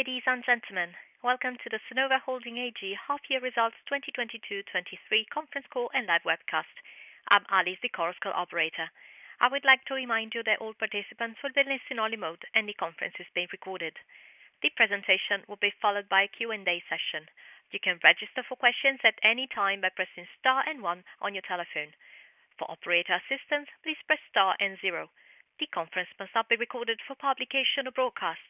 Ladies and gentlemen, welcome to the Sonova Holding AG Half-Year Results 2022, 2023 Conference Call and Live Webcast. I'm Alice, the conference call operator. I would like to remind you that all participants will be in listen-only mode, and the conference is being recorded. The presentation will be followed by a Q&A session. You can register for questions at any time by pressing star and one on your telephone. For operator assistance, please press star and zero. The conference must not be recorded for publication or broadcast.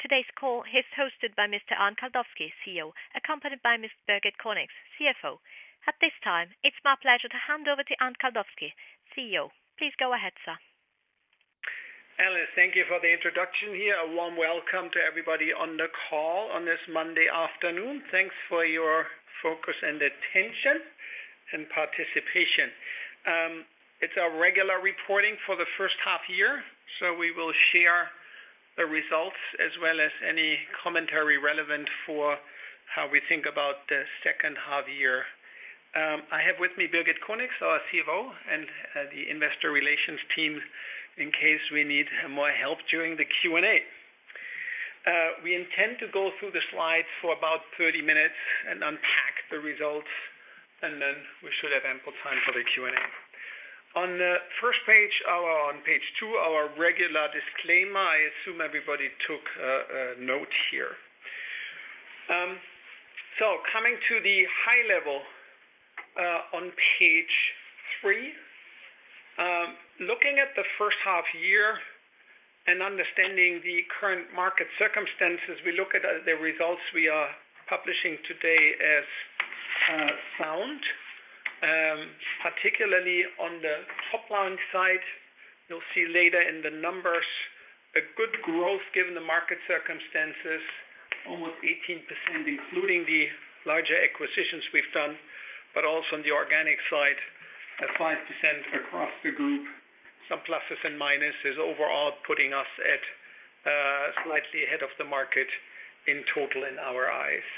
Today's call is hosted by Mr. Arnd Kaldowski, CEO, accompanied by Miss Birgit Conix, CFO. At this time, it's my pleasure to hand over to Arnd Kaldowski, CEO. Please go ahead, sir. Alice, thank you for the introduction here. A warm welcome to everybody on the call on this Monday afternoon. Thanks for your focus and attention and participation. It's our regular reporting for the 1st half year, so we will share the results as well as any commentary relevant for how we think about the 2nd half year. I have with me Birgit Conix, our CFO, and the investor relations team in case we need more help during the Q&A. We intend to go through the slides for about 30 minutes and unpack the results, and then we should have ample time for the Q&A. On the first page, on page 2, our regular disclaimer. I assume everybody took a note here. Coming to the high level, on page 3, looking at the 1st half year and understanding the current market circumstances, we look at the results we are publishing today as sound. Particularly on the top line side. You'll see later in the numbers a good growth given the market circumstances. Almost 18%, including the larger acquisitions we've done, but also on the organic side, at 5% across the group. Some pluses and minuses overall, putting us at slightly ahead of the market in total, in our eyes.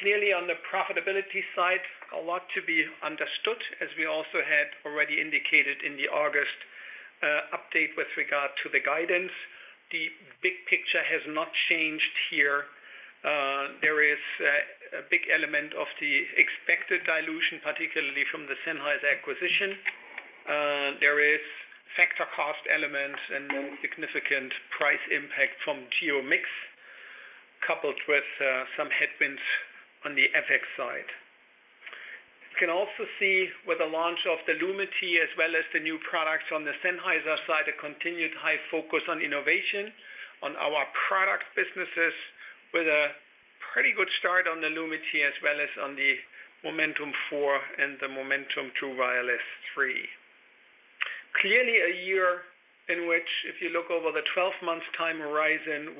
Clearly on the profitability side, a lot to be understood, as we also had already indicated in the August update with regard to the guidance. The big picture has not changed here. There is a big element of the expected dilution, particularly from the Sennheiser acquisition. There is factor cost element and significant price impact from geo mix, coupled with some headwinds on the FX side. You can also see with the launch of the Lumity as well as the new products on the Sennheiser side, a continued high focus on innovation on our product businesses with a pretty good start on the Lumity as well as on the Momentum 4 and the Momentum True Wireless 3. Clearly a year in which, if you look over the 12-month time horizon,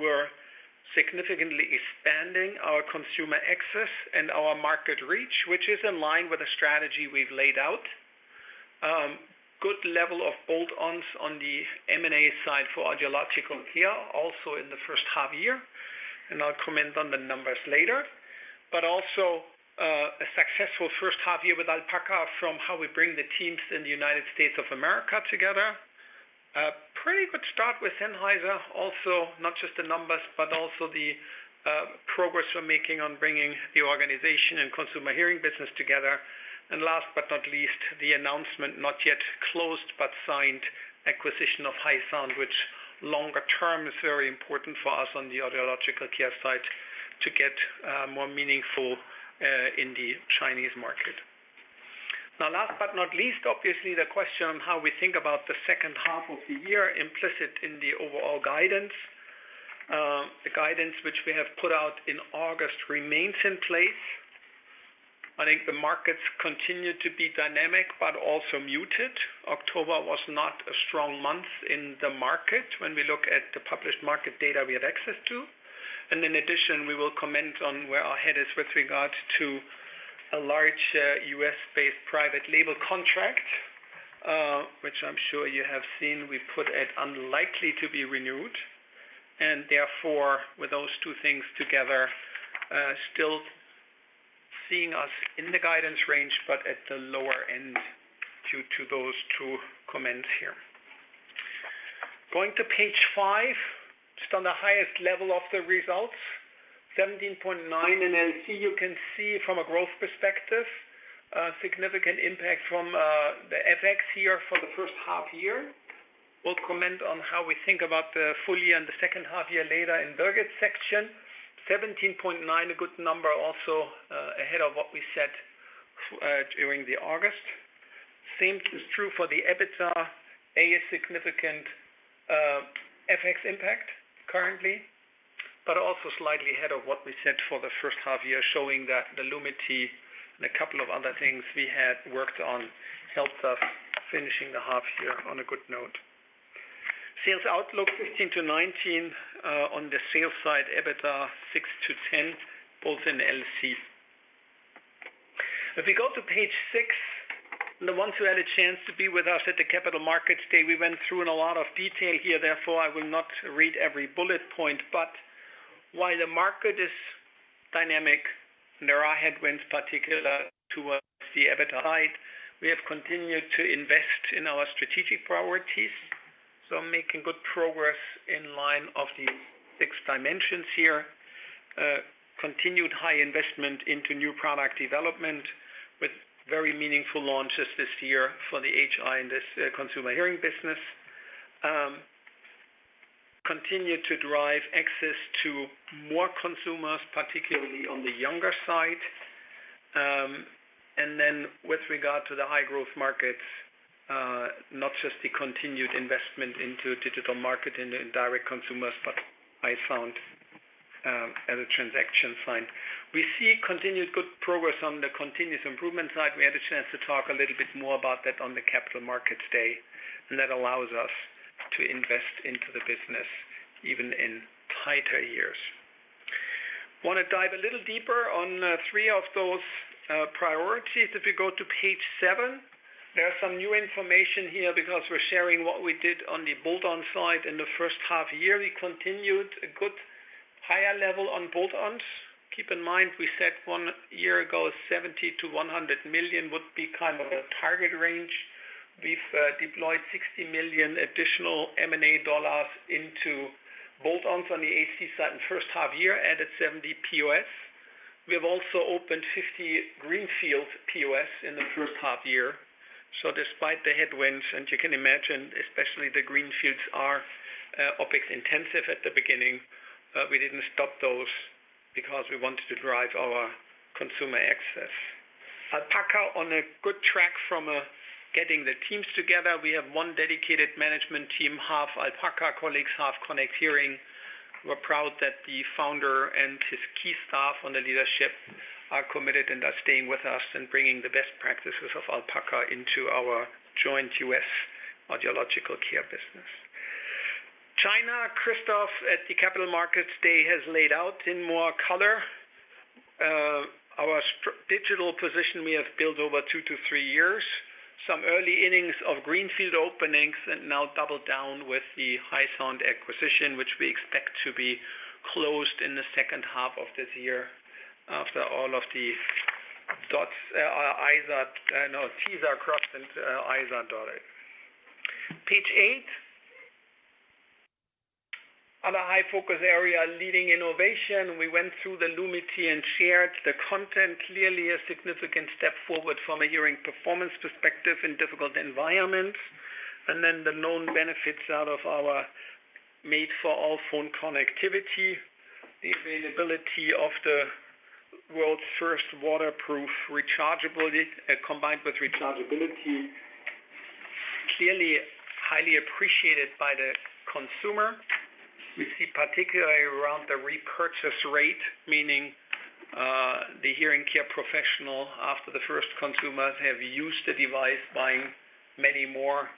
we're significantly expanding our consumer access and our market reach, which is in line with the strategy we've laid out. Good level of bolt-ons on the M&A side for Audiological Care, also in the 1st half year, and I'll comment on the numbers later. Also, a successful 1st half year with Alpaca from how we bring the teams in the United States of America together. A pretty good start with Sennheiser also, not just the numbers, but also the progress we're making on bringing the organization and Consumer Hearing business together. Last but not least, the announcement not yet closed but signed acquisition of HYSOUND, which longer term is very important for us on the Audiological Care side to get more meaningful in the Chinese market. Now, last but not least, obviously the question on how we think about the 2nd half of the year implicit in the overall guidance. The guidance which we have put out in August remains in place. I think the markets continue to be dynamic but also muted. October was not a strong month in the market when we look at the published market data we had access to. In addition, we will comment on where our head is with regard to a large, U.S.-based private label contract, which I'm sure you have seen we put at unlikely to be renewed and therefore with those two things together, still seeing us in the guidance range but at the lower end due to those two comments here. Going to page 5, just on the highest level of the results, 17.9% in LC, you can see from a growth perspective, the FX here for the 1st half year. We'll comment on how we think about the full year and the 2nd half year later in Birgit's section. 17.9%, a good number also, ahead of what we said during the August. Same is true for the EBITDA. A significant FX impact currently, but also slightly ahead of what we said for the 1st half year, showing that the Lumity and a couple of other things we had worked on helped us finishing the half year on a good note. Sales outlook 15%-19% on the sales side, EBITDA 6%-10%, both in LC. If we go to page 6, the ones who had a chance to be with us at the Capital Markets Day, we went through in a lot of detail here. Therefore, I will not read every bullet point. While the market is dynamic. There are headwinds particular towards the EBITDA side. We have continued to invest in our strategic priorities, making good progress along the lines of the six dimensions here. Continued high investment into new product development with very meaningful launches this year for the HI and this Consumer Hearing business. Continue to drive access to more consumers, particularly on the younger side. With regard to the high growth markets, not just the continued investment into digital marketing to indirect consumers, but also on the acquisition side. We see continued good progress on the continuous improvement side. We had a chance to talk a little bit more about that on the Capital Markets Day, and that allows us to invest into the business even in tighter years. Wanna dive a little deeper on three of those priorities. If you go to page 7, there are some new information here because we're sharing what we did on the bolt-on side in the 1st half year. We continued a good higher level on bolt-ons. Keep in mind, we said one year ago, $70 million-$100 million would be kind of the target range. We've deployed $60 million additional M&A dollars into bolt-ons on the AC side in 1st half year, added 70 POS. We have also opened 50 greenfield POS in the 1st half year. Despite the headwinds, and you can imagine especially the greenfields are OpEx intensive at the beginning, we didn't stop those because we wanted to drive our consumer access. Alpaca on a good track from getting the teams together. We have one dedicated management team, half Alpaca colleagues, half Connect Hearing. We're proud that the founder and his key staff on the leadership are committed and are staying with us and bringing the best practices of Alpaca into our joint U.S. audiological care business. China. Christophe at the Capital Markets Day has laid out in more color our strong digital position we have built over two to three years, some early innings of greenfield openings and now double down with the HYSOUND acquisition, which we expect to be closed in the second half of this year after all of the t's are crossed and i's are dotted. Page 8. Other high focus area, leading innovation. We went through the Lumity and shared the content. Clearly a significant step forward from a hearing performance perspective in difficult environments. Then the known benefits out of our made for all phone connectivity. The availability of the world's first waterproof rechargeability, combined with rechargeability, clearly highly appreciated by the consumer. We see particularly around the repurchase rate, meaning, the hearing care professional after the first consumers have used the device, buying many more,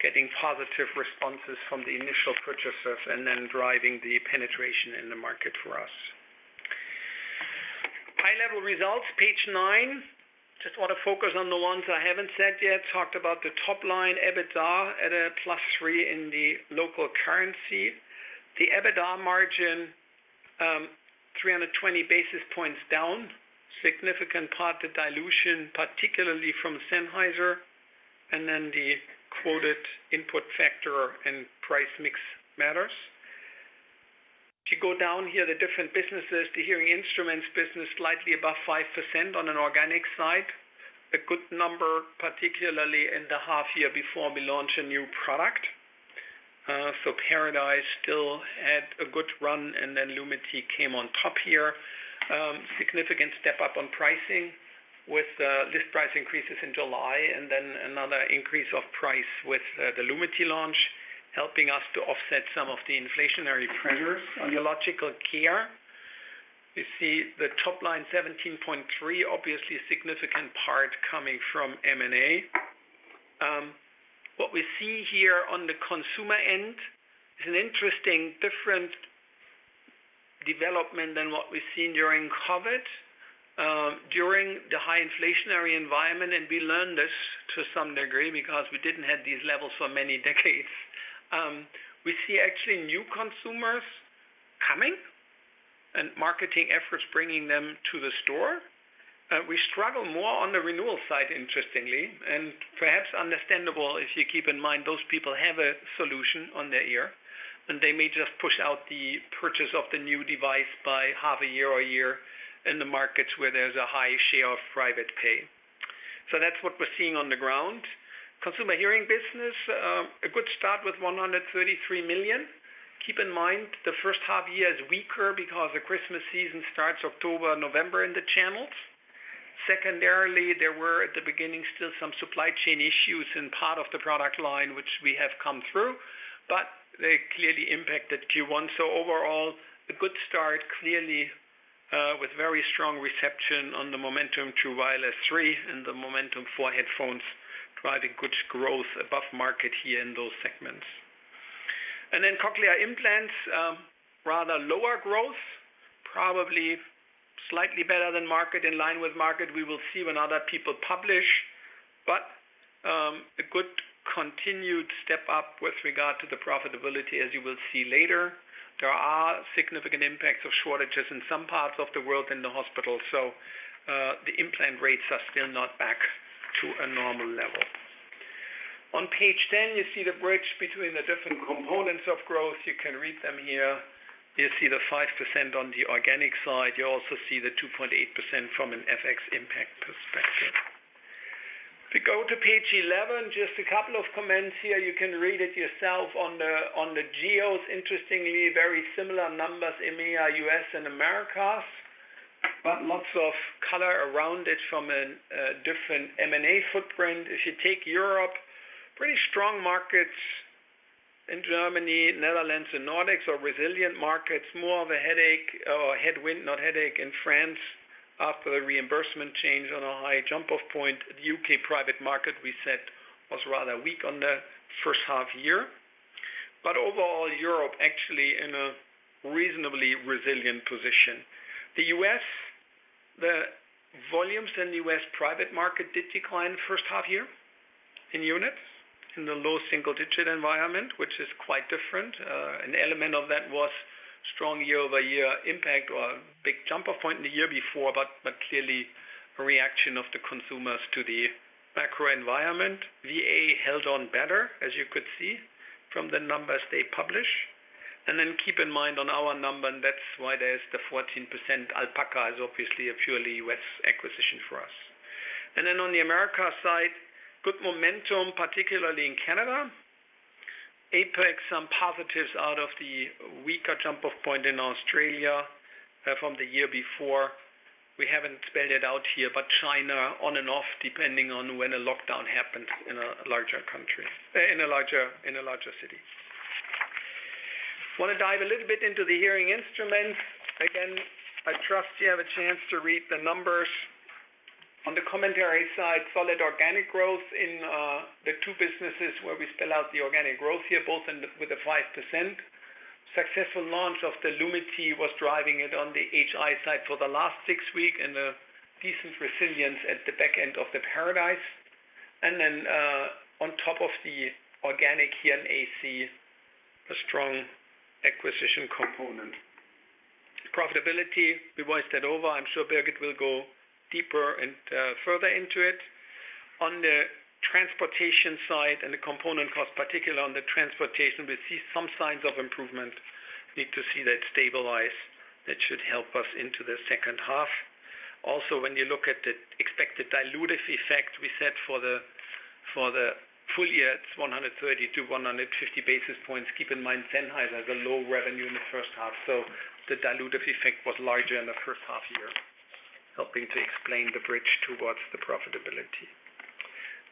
getting positive responses from the initial purchasers, and then driving the penetration in the market for us. High-level results, page nine. Just wanna focus on the ones I haven't said yet. Talked about the top line, EBITDA at a plus three in the local currency. The EBITDA margin, 320 basis points down, significant part the dilution, particularly from Sennheiser, and then the quoted input factor and price mix matters. If you go down here, the different businesses, the hearing instruments business slightly above 5% on an organic side. A good number, particularly in the half year before we launch a new product. Paradise still had a good run, and then Lumity came on top here. Significant step up on pricing with list price increases in July and then another increase of price with the Lumity launch, helping us to offset some of the inflationary pressures. Audiological Care. You see the top line 17.3, obviously a significant part coming from M&A. What we see here on the consumer end is an interesting different development than what we've seen during COVID, during the high inflationary environment, and we learned this to some degree because we didn't have these levels for many decades. We see actually new consumers coming and marketing efforts bringing them to the store. We struggle more on the renewal side, interestingly and perhaps understandable if you keep in mind those people have a solution on their ear, and they may just push out the purchase of the new device by half a year or a year in the markets where there's a high share of private pay. That's what we're seeing on the ground. Consumer Hearing business, a good start with 133 million. Keep in mind, the 1st half year is weaker because the Christmas season starts October, November in the channels. Secondarily, there were at the beginning still some supply chain issues in part of the product line which we have come through, but they clearly impacted Q1. Overall, a good start, clearly, with very strong reception on the Momentum True Wireless 3 and the Momentum 4 headphones, driving good growth above market here in those segments. Cochlear Implants, rather lower growth, probably slightly better than market, in line with market. We will see when other people publish. A good continued step up with regard to the profitability, as you will see later. There are significant impacts of shortages in some parts of the world in the hospital, so, the implant rates are still not back to a normal level. On page 10, you see the bridge between the different components of growth. You can read them here. You see the 5% on the organic side. You also see the 2.8% from an FX impact perspective. If we go to page 11, just a couple of comments here. You can read it yourself on the geos. Interestingly, very similar numbers, EMEA, U.S., and Americas, but lots of color around it from a different M&A footprint. If you take Europe, pretty strong markets in Germany, Netherlands, and Nordics are resilient markets. More of a headache or a headwind, not a headache in France after the reimbursement change on a high jump off point. The UK private market we said was rather weak on the 1st half year. Overall, Europe actually in a reasonably resilient position. The U.S., the volumes in the U.S. private market did decline 1st half year in units in the low single digit environment, which is quite different. An element of that was strong year-over-year impact or big jump off point in the year before, but clearly a reaction of the consumers to the macro environment. VA held on better, as you could see from the numbers they publish. Then keep in mind on our number, and that's why there's the 14% Alpaca is obviously a purely U.S. acquisition for us. Then on the Americas side, good momentum, particularly in Canada. APAC, some positives out of the weaker jump off point in Australia, from the year before. We haven't spelled it out here, but China on and off, depending on when a lockdown happens in a larger country, in a larger city. Want to dive a little bit into the hearing instruments. Again, I trust you have a chance to read the numbers. On the commentary side, solid organic growth in the two businesses where we spell out the organic growth here, both with the 5%. Successful launch of the Lumity was driving it on the HI side for the last six weeks and a decent resilience at the back end of the Paradise. Then, on top of the organic here in AC, a strong acquisition component. Profitability, we voiced that over. I'm sure Birgit will go deeper and further into it. On the transportation side and the component cost, particularly on the transportation, we see some signs of improvement. Need to see that stabilize. That should help us into the 2nd half. Also, when you look at the expected dilutive effect we set for the full year, it's 130 to 150 basis points. Keep in mind, Sennheiser has a low revenue in the 1st half, so the dilutive effect was larger in the 1st half year, helping to explain the bridge towards the profitability.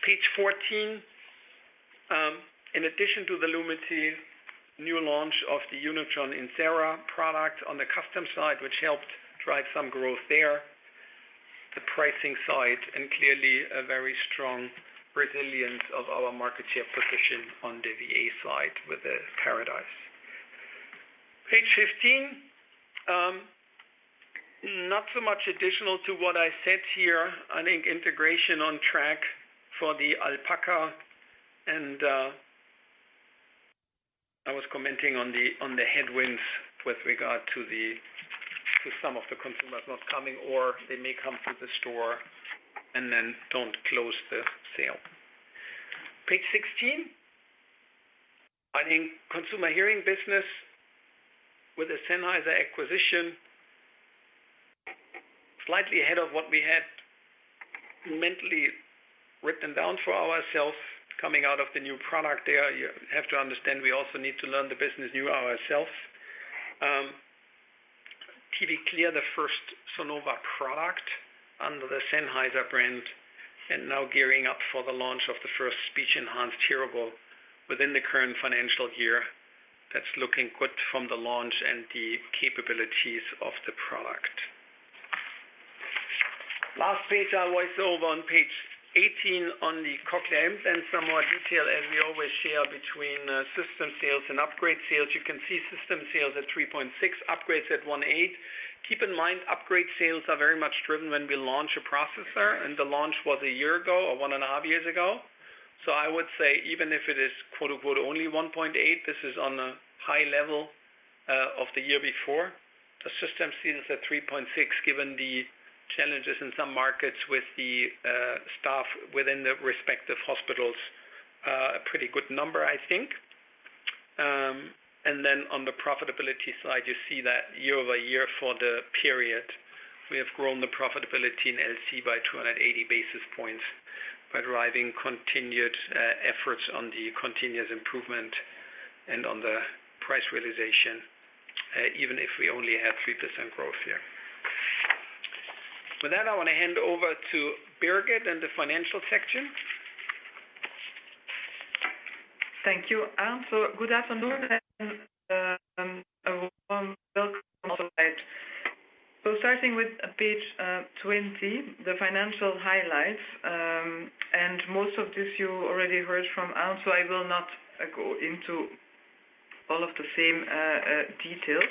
Page 14. In addition to the Lumity new launch of the Unitron Insera product on the custom side, which helped drive some growth there, the pricing side and clearly a very strong resilience of our market share position on the VA side with the Paradise. Page 15. Not so much additional to what I said here. I think integration on track for the Alpaca. I was commenting on the headwinds with regard to some of the consumers not coming, or they may come to the store and then don't close the sale. Page 16. I think Consumer Hearing business with the Sennheiser acquisition slightly ahead of what we had mentally written down for ourselves coming out of the new product there. You have to understand, we also need to learn the business new ourselves. TV Clear, the first Sonova product under the Sennheiser brand, and now gearing up for the launch of the first speech-enhanced hearable within the current financial year. That's looking good from the launch and the capabilities of the product. Last page I'll voice over on page 18 on the Cochlear Implants and some more detail as we always share between system sales and upgrade sales. You can see system sales at 3.6, upgrades at 1.8. Keep in mind, upgrade sales are very much driven when we launch a processor, and the launch was a year ago or one and a half years ago. I would say even if it is quote unquote only 1.8, this is on a high level of the year before. The system sales at 3.6, given the challenges in some markets with the staff within the respective hospitals, a pretty good number, I think. And then on the profitability slide, you see that year-over-year for the period, we have grown the profitability in LC by 280 basis points by driving continued efforts on the continuous improvement and on the price realization, even if we only had 3% growth here. With that, I want to hand over to Birgit in the financial section. Thank you, Arnd. Good afternoon and a warm welcome on site. Starting with page 20, the financial highlights, and most of this you already heard from Arnd, so I will not go into all of the same details.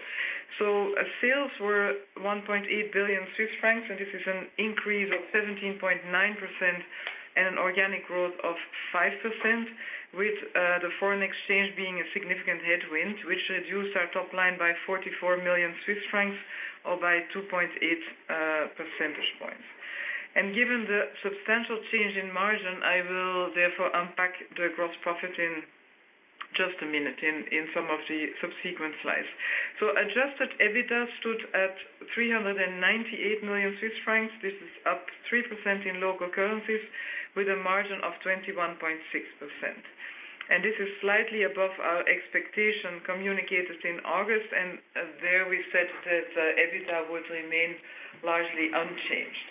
Sales were 1.8 billion Swiss francs, and this is an increase of 17.9% and an organic growth of 5%, with the foreign exchange being a significant headwind, which reduced our top line by 44 million Swiss francs or by 2.8 percentage points. Given the substantial change in margin, I will therefore unpack the gross profit in just a minute in some of the subsequent slides. Adjusted EBITDA stood at 398 million Swiss francs. This is up 3% in local currencies with a margin of 21.6%. This is slightly above our expectation communicated in August, and there we said that EBITDA would remain largely unchanged.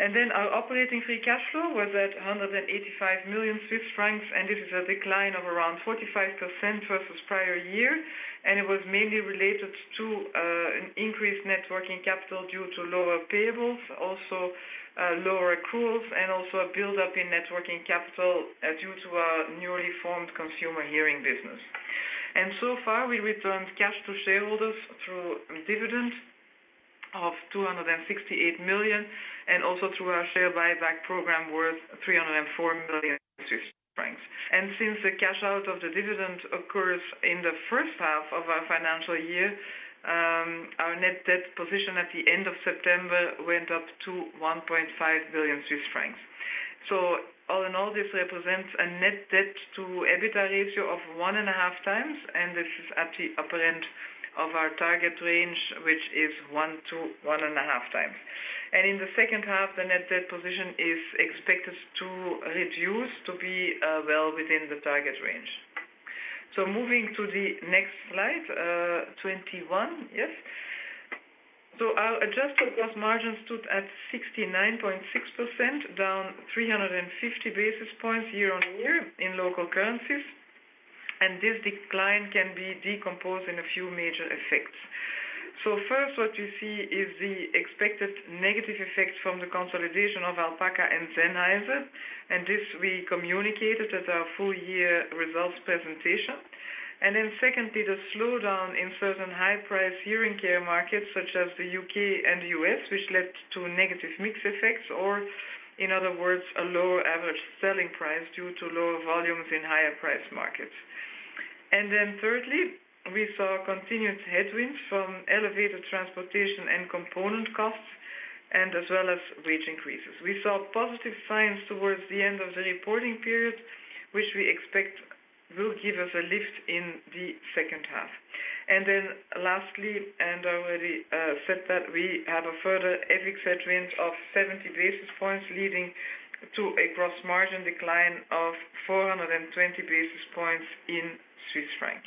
Our operating free cash flow was at 185 million Swiss francs, and this is a decline of around 45% versus prior year. It was mainly related to an increased net working capital due to lower payables, also lower accruals, and also a build-up in net working capital due to our newly formed Consumer Hearing business. So far, we returned cash to shareholders through dividends of 268 million and also through our share buyback program worth 304 million Swiss francs. Since the cash out of the dividend occurs in the 1st half of our financial year, our net debt position at the end of September went up to 1.5 billion Swiss francs. All in all, this represents a net debt to EBITDA ratio of 1.5x, and this is at the upper end of our target range, which is 1x to 1.5x. In the 2.n.d. Half, the net debt position is expected to reduce to be well within the target range. Moving to the next slide, 21. Yes. Our adjusted gross margin stood at 69.6%, down 350 basis points year-on-year in local currencies. This decline can be decomposed in a few major effects. First, what you see is the expected negative effect from the consolidation of Alpaca and Sennheiser, and this we communicated at our full year results presentation. Secondly, the slowdown in certain high-price hearing care markets such as the UK and the U.S, which led to negative mix effects, or in other words, a lower average selling price due to lower volumes in higher price markets. Thirdly, we saw continued headwinds from elevated transportation and component costs and as well as wage increases. We saw positive signs towards the end of the reporting period, which we expect will give us a lift in the 2nd half. Lastly, and I already said that we have a further FX headwind of 70 basis points, leading to a gross margin decline of 420 basis points in Swiss franc.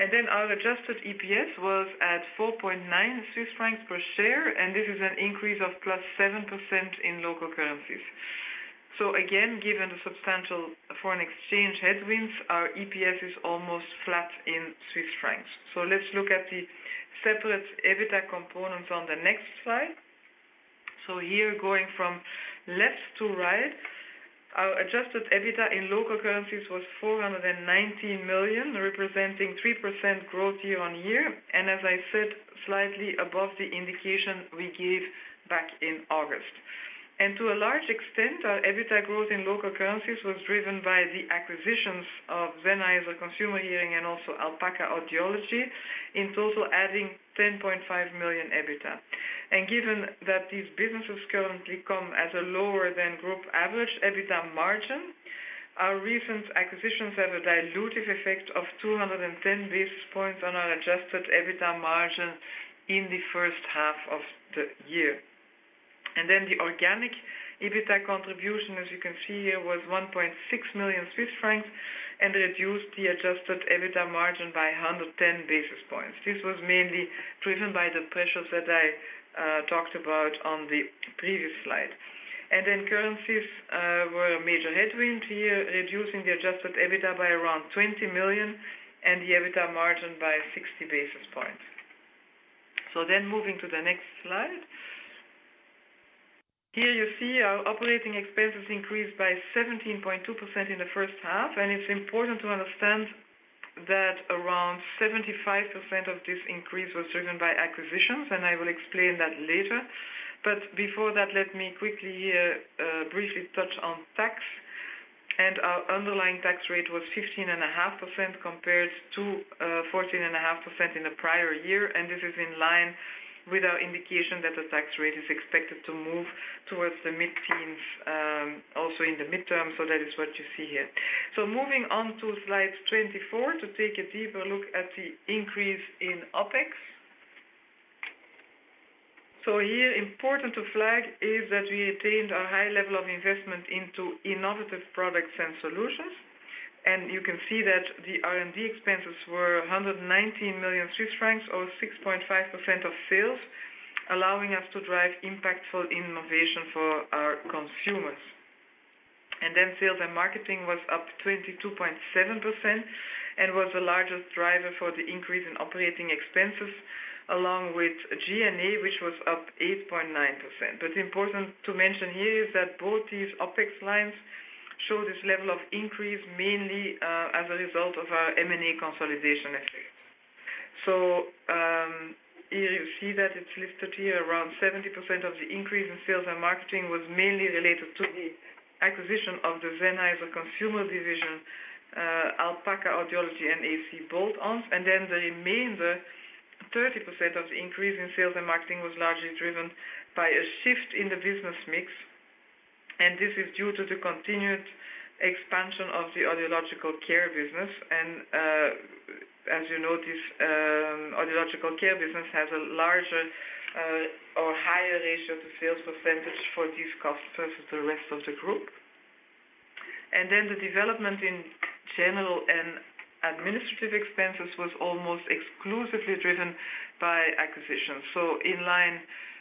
Then our adjusted EPS was at 4.9 Swiss francs per share, and this is an increase of +7% in local currencies. Again, given the substantial foreign exchange headwinds, our EPS is almost flat in Swiss francs. Let's look at the separate EBITDA components on the next slide. Here, going from left to right, our adjusted EBITDA in local currencies was 419 million, representing 3% growth year-on-year, and as I said, slightly above the indication we gave back in August. To a large extent, our EBITDA growth in local currencies was driven by the acquisitions of Sennheiser Consumer Hearing and also Alpaca Audiology, in total adding 10.5 million EBITDA. Given that these businesses currently come as a lower than group average EBITDA margin, our recent acquisitions have a dilutive effect of 210 basis points on our adjusted EBITDA margin in the 1st half of the year. The organic EBITDA contribution, as you can see here, was 1.6 million Swiss francs and reduced the adjusted EBITDA margin by 110 basis points. This was mainly driven by the pressures that I talked about on the previous slide. Currencies were a major headwind here, reducing the adjusted EBITDA by around 20 million and the EBITDA margin by 60 basis points. Moving to the next slide. Here you see our operating expenses increased by 17.2% in the 1st half, and it's important to understand that around 75% of this increase was driven by acquisitions, and I will explain that later. Before that, let me quickly briefly touch on tax. Our underlying tax rate was 15.5% compared to 14.5% in the prior year. This is in line with our indication that the tax rate is expected to move towards the mid-teens, also in the midterm. That is what you see here. Moving on to slide 24 to take a deeper look at the increase in OpEx. Here important to flag is that we attained a high level of investment into innovative products and solutions, and you can see that the R&D expenses were 119 million Swiss francs or 6.5% of sales, allowing us to drive impactful innovation for our consumers. Sales and marketing was up 22.7% and was the largest driver for the increase in operating expenses along with G&A, which was up 8.9%. Important to mention here is that both these OpEx lines show this level of increase mainly as a result of our M&A consolidation effect. Here you see that it's listed here. Around 70% of the increase in sales and marketing was mainly related to the acquisition of the Sennheiser Consumer Division, Alpaca Audiology and AC bolt-ons. The remainder, 30% of the increase in sales and marketing was largely driven by a shift in the business mix, and this is due to the continued expansion of the audiological care business. As you notice, audiological care business has a larger or higher ratio to sales percentage for these customers than the rest of the group. The development in general and administrative expenses was almost exclusively driven by acquisitions. In line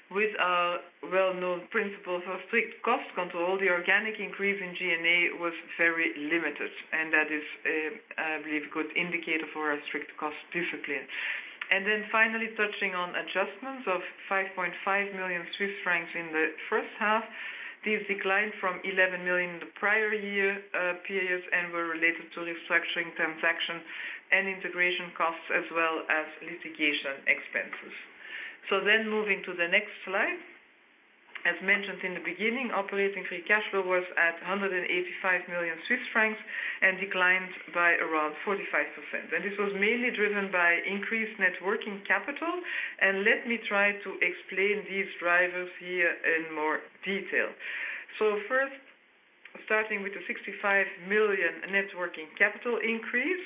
with our well-known principles of strict cost control, the organic increase in G&A was very limited, and that is, I believe, a good indicator for our strict cost discipline. Finally, touching on adjustments of 5.5 million Swiss francs in the 1st half. These declined from 11 million in the prior year periods, and were related to restructuring transaction and integration costs as well as litigation expenses. Moving to the next slide. As mentioned in the beginning, operating free cash flow was at 185 million Swiss francs and declined by around 45%. This was mainly driven by increased net working capital. Let me try to explain these drivers here in more detail. First, starting with the 65 million net working capital increase.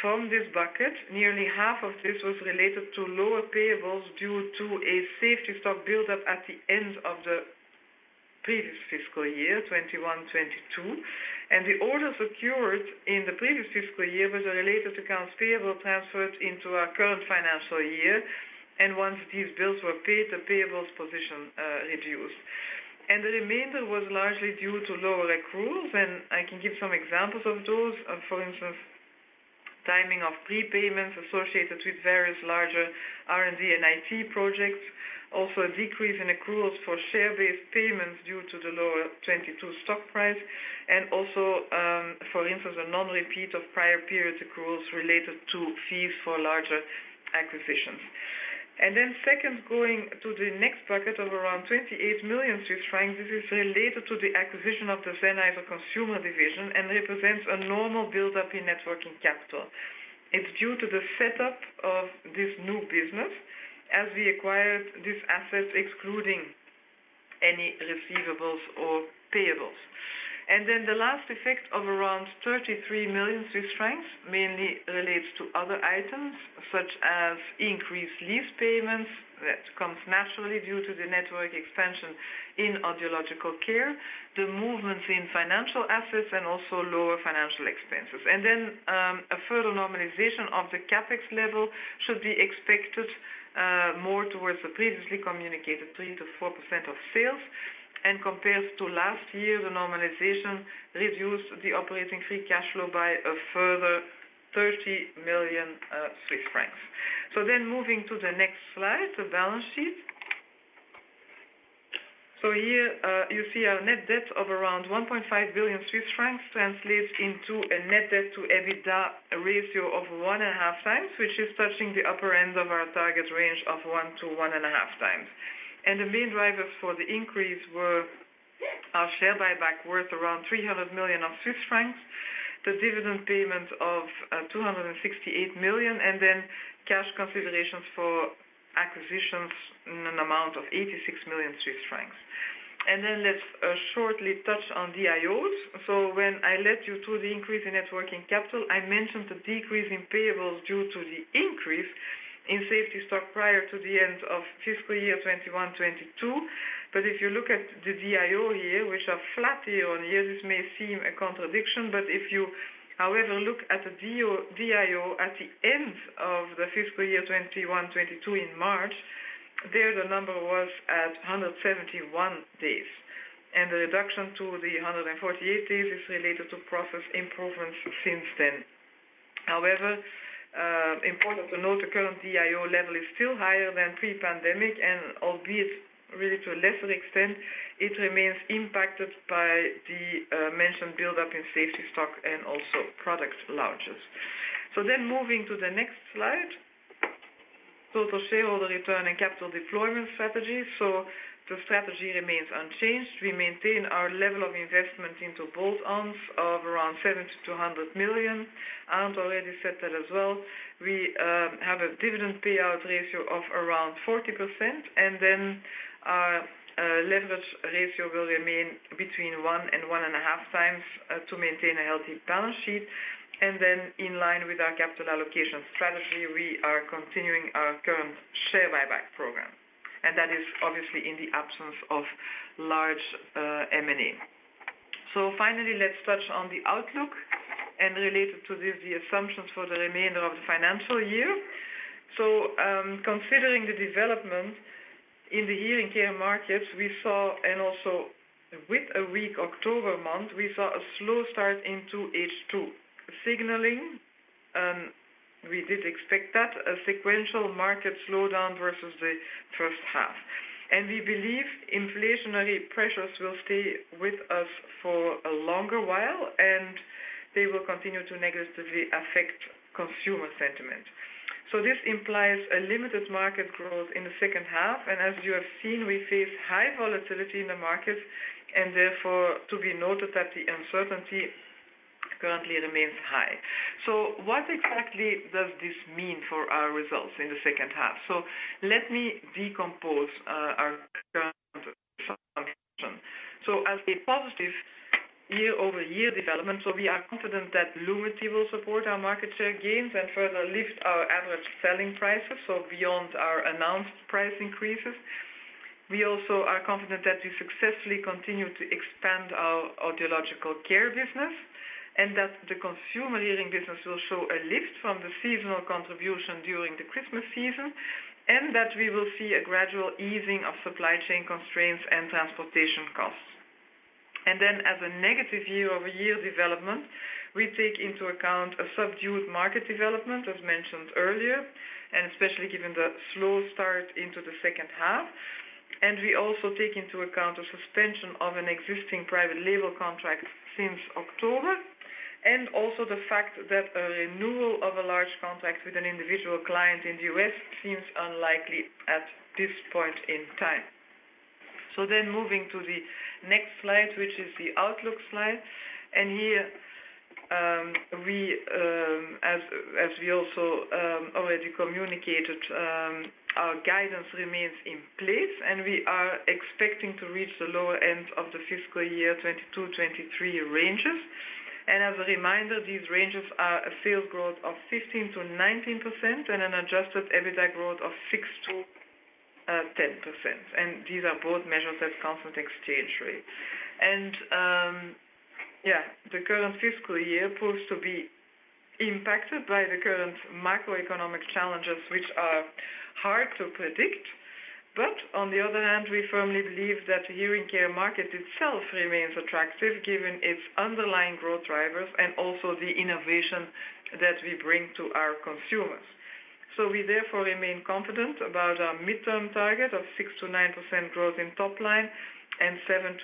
From this bucket, nearly half of this was related to lower payables due to a safety stock buildup at the end of the previous fiscal year 2021-2022. The orders acquired in the previous fiscal year was related to accounts payable transferred into our current financial year. Once these bills were paid, the payables position reduced. The remainder was largely due to lower accruals. I can give some examples of those. For instance, timing of prepayments associated with various larger R&D and IT projects. Also a decrease in accruals for share-based payments due to the lower 2022 stock price and also, for instance, a non-repeat of prior period accruals related to fees for larger acquisitions. Second, going to the next bucket of around 28 million Swiss francs. This is related to the acquisition of the Sennheiser Consumer Division and represents a normal buildup in net working capital. It's due to the setup of this new business as we acquired these assets, excluding any receivables or payables. The last effect of around 33 million Swiss francs mainly relates to other items, such as increased lease payments that comes naturally due to the network expansion in Audiological Care, the movements in financial assets and also lower financial expenses. A further normalization of the CapEx level should be expected more towards the previously communicated 3%-4% of sales. Compared to last year, the normalization reduced the operating free cash flow by a further 30 million Swiss francs. Moving to the next slide, the balance sheet. Here, you see our net debt of around 1.5 billion Swiss francs translates into a net debt to EBITDA ratio of 1.5x, which is touching the upper end of our target range of 1x to 1.5x. The main drivers for the increase were our share buyback worth around 300 million, the dividend payment of 268 million, and then cash considerations for acquisitions in an amount of 86 million Swiss francs. Let's shortly touch on DIOs. When I led you through the increase in net working capital, I mentioned the decrease in payables due to the increase in safety stock prior to the end of fiscal year 2021, 2022. If you look at the DIO here, which are flat year-on-year, this may seem a contradiction. If you, however, look at the DIO at the end of the fiscal year 2021, 2022 in March, there the number was at 171 days, and the reduction to the 148 days is related to process improvements since then. However, important to note, the current DIO level is still higher than pre-pandemic, and albeit really to a lesser extent, it remains impacted by the mentioned buildup in safety stock and also product launches. Moving to the next slide. Total shareholder return and capital deployment strategy. The strategy remains unchanged. We maintain our level of investment into bolt-ons of around 70 million-100 million. Arnd already said that as well. We have a dividend payout ratio of around 40%, and then our leverage ratio will remain between 1x and 1.5x to maintain a healthy balance sheet. In line with our capital allocation strategy, we are continuing our current share buyback program, and that is obviously in the absence of large M&A. Finally, let's touch on the outlook and related to the assumptions for the remainder of the financial year. Considering the development in the hearing care markets we saw, and also with a weak October month, we saw a slow start into H2, signaling we did expect that, a sequential market slowdown versus the 1st half. We believe inflationary pressures will stay with us for a longer while. They will continue to negatively affect consumer sentiment. This implies a limited market growth in the 2nd half. As you have seen, we face high volatility in the market and therefore to be noted that the uncertainty currently remains high. What exactly does this mean for our results in the 2nd half? Let me decompose our current guidance. As a positive year-over-year development, we are confident that Lumity will support our market share gains and further lift our average selling prices, so beyond our announced price increases. We also are confident that we successfully continue to expand our audiological care business, and that the consumer hearing business will show a lift from the seasonal contribution during the Christmas season, and that we will see a gradual easing of supply chain constraints and transportation costs. As a negative year-over-year development, we take into account a subdued market development, as mentioned earlier, and especially given the slow start into the 2nd half. We also take into account a suspension of an existing private label contract since October, and also the fact that a renewal of a large contract with an individual client in the U.S. seems unlikely at this point in time. Moving to the next slide, which is the outlook slide. Here, as we also already communicated, our guidance remains in place, and we are expecting to reach the lower end of the fiscal year 2022-2023 ranges. As a reminder, these ranges are a sales growth of 15%-19% and an adjusted EBITDA growth of 6%-10%. These are both measures at constant exchange rate. The current fiscal year proves to be impacted by the current macroeconomic challenges, which are hard to predict. On the other hand, we firmly believe that the hearing care market itself remains attractive given its underlying growth drivers and also the innovation that we bring to our consumers. We therefore remain confident about our midterm target of 6%-9% growth in top line and 7%-11%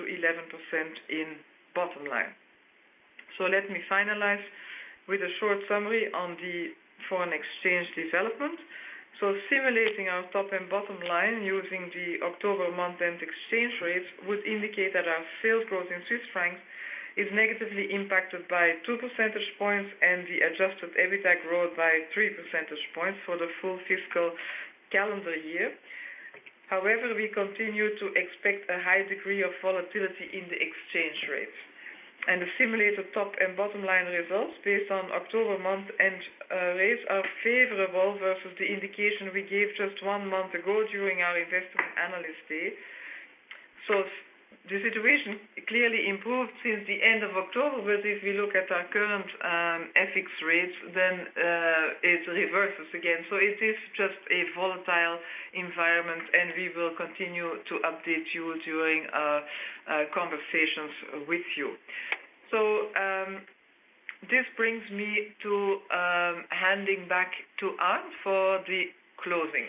in bottom line. Let me finalize with a short summary on the foreign exchange development. Simulating our top and bottom line using the October month-end exchange rates would indicate that our sales growth in Swiss Francs is negatively impacted by 2 percentage points and the adjusted EBITDA growth by 3 percentage points for the full fiscal calendar year. However, we continue to expect a high degree of volatility in the exchange rates. The simulated top and bottom line results based on October month-end rates are favorable versus the indication we gave just one month ago during our Investor Analyst Day. The situation clearly improved since the end of October, but if we look at our current FX rates, then it reverses again. It is just a volatile environment, and we will continue to update you during conversations with you. This brings me to handing back to Arnd for the closing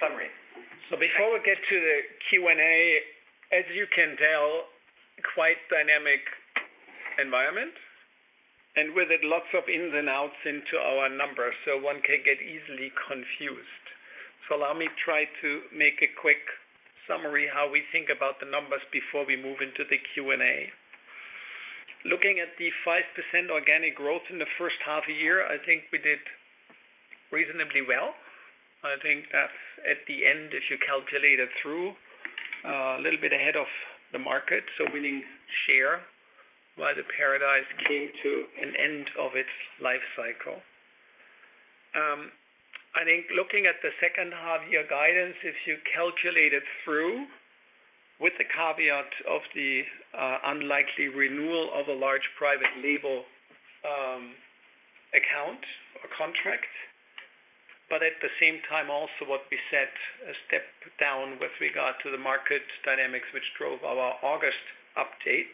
summary. Before we get to the Q&A, as you can tell, quite dynamic environment, and with it, lots of ins and outs into our numbers, so one can get easily confused. Allow me to try to make a quick summary how we think about the numbers before we move into the Q&A. Looking at the 5% organic growth in the 1st half year, I think we did reasonably well. I think at the end, if you calculate it through, a little bit ahead of the market, so winning share while the Paradise came to an end of its life cycle. I think looking at the 2nd half year guidance, if you calculate it through with the caveat of the unlikely renewal of a large private label account or contract, but at the same time also what we said a step down with regard to the market dynamics which drove our August update,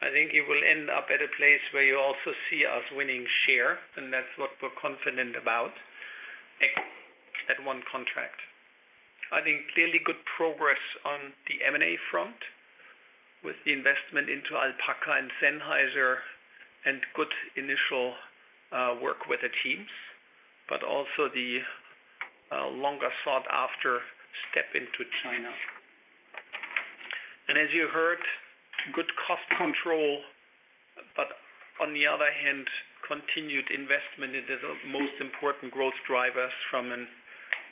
I think it will end up at a place where you also see us winning share, and that's what we're confident about. Won one contract. I think clearly good progress on the M&A front with the investment into Alpaca and Sennheiser and good initial work with the teams, but also the longer sought-after step into China. As you heard, good cost control, but on the other hand, continued investment into the most important growth drivers from a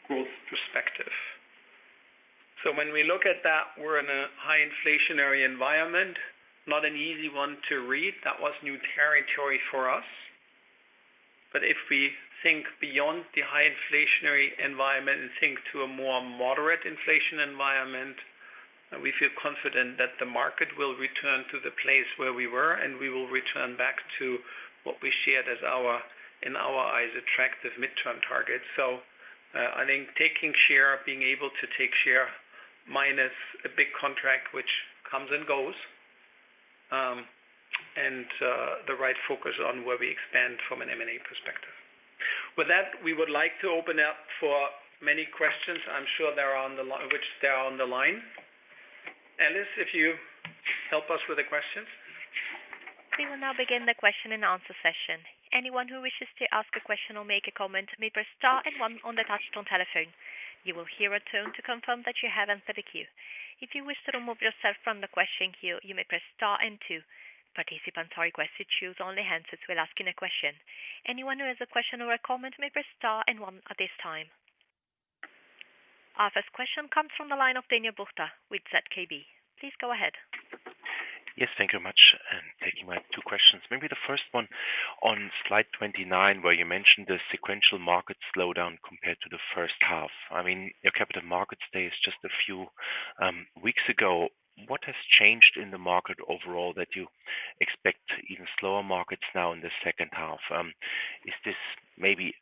growth perspective. When we look at that, we're in a high inflationary environment, not an easy one to read. That was new territory for us. If we think beyond the high inflationary environment and think to a more moderate inflation environment, we feel confident that the market will return to the place where we were, and we will return back to what we shared as our, in our eyes, attractive midterm target. I think taking share, being able to take share minus a big contract which comes and goes, and the right focus on where we expand from an M&A perspective. With that, we would like to open up for many questions. I'm sure there are, which there are, on the line. Alice, if you help us with the questions. We will now begin the question and answer session. Anyone who wishes to ask a question or make a comment may press star and one on the touch-tone telephone. You will hear a tone to confirm that you have entered the queue. If you wish to remove yourself from the question queue, you may press star and two. Participants are requested to use only handset when asking a question. Anyone who has a question or a comment may press star and one at this time. Our first question comes from the line of Daniel Buchta with ZKB. Please go ahead. Yes, thank you much. Taking my two questions. Maybe the first one on slide 29, where you mentioned the sequential market slowdown compared to the 1st half. I mean, your capital markets day is just a few weeks ago. What has changed in the market overall that you expect even slower markets now in the 2nd half? Is this maybe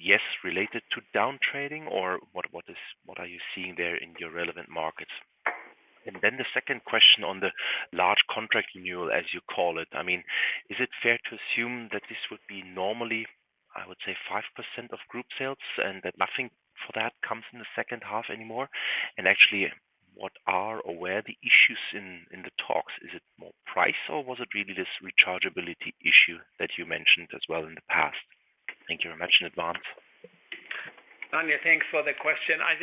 yes related to down trading or what are you seeing there in your relevant markets? Then the second question on the large contract renewal, as you call it. I mean, is it fair to assume that this would be normally, I would say, 5% of group sales, and that nothing for that comes in the 2nd half anymore? Actually, what are or where the issues in the talks? Is it more price or was it really this rechargeability issue that you mentioned as well in the past? Thank you very much in advance. Daniel, thanks for the question. I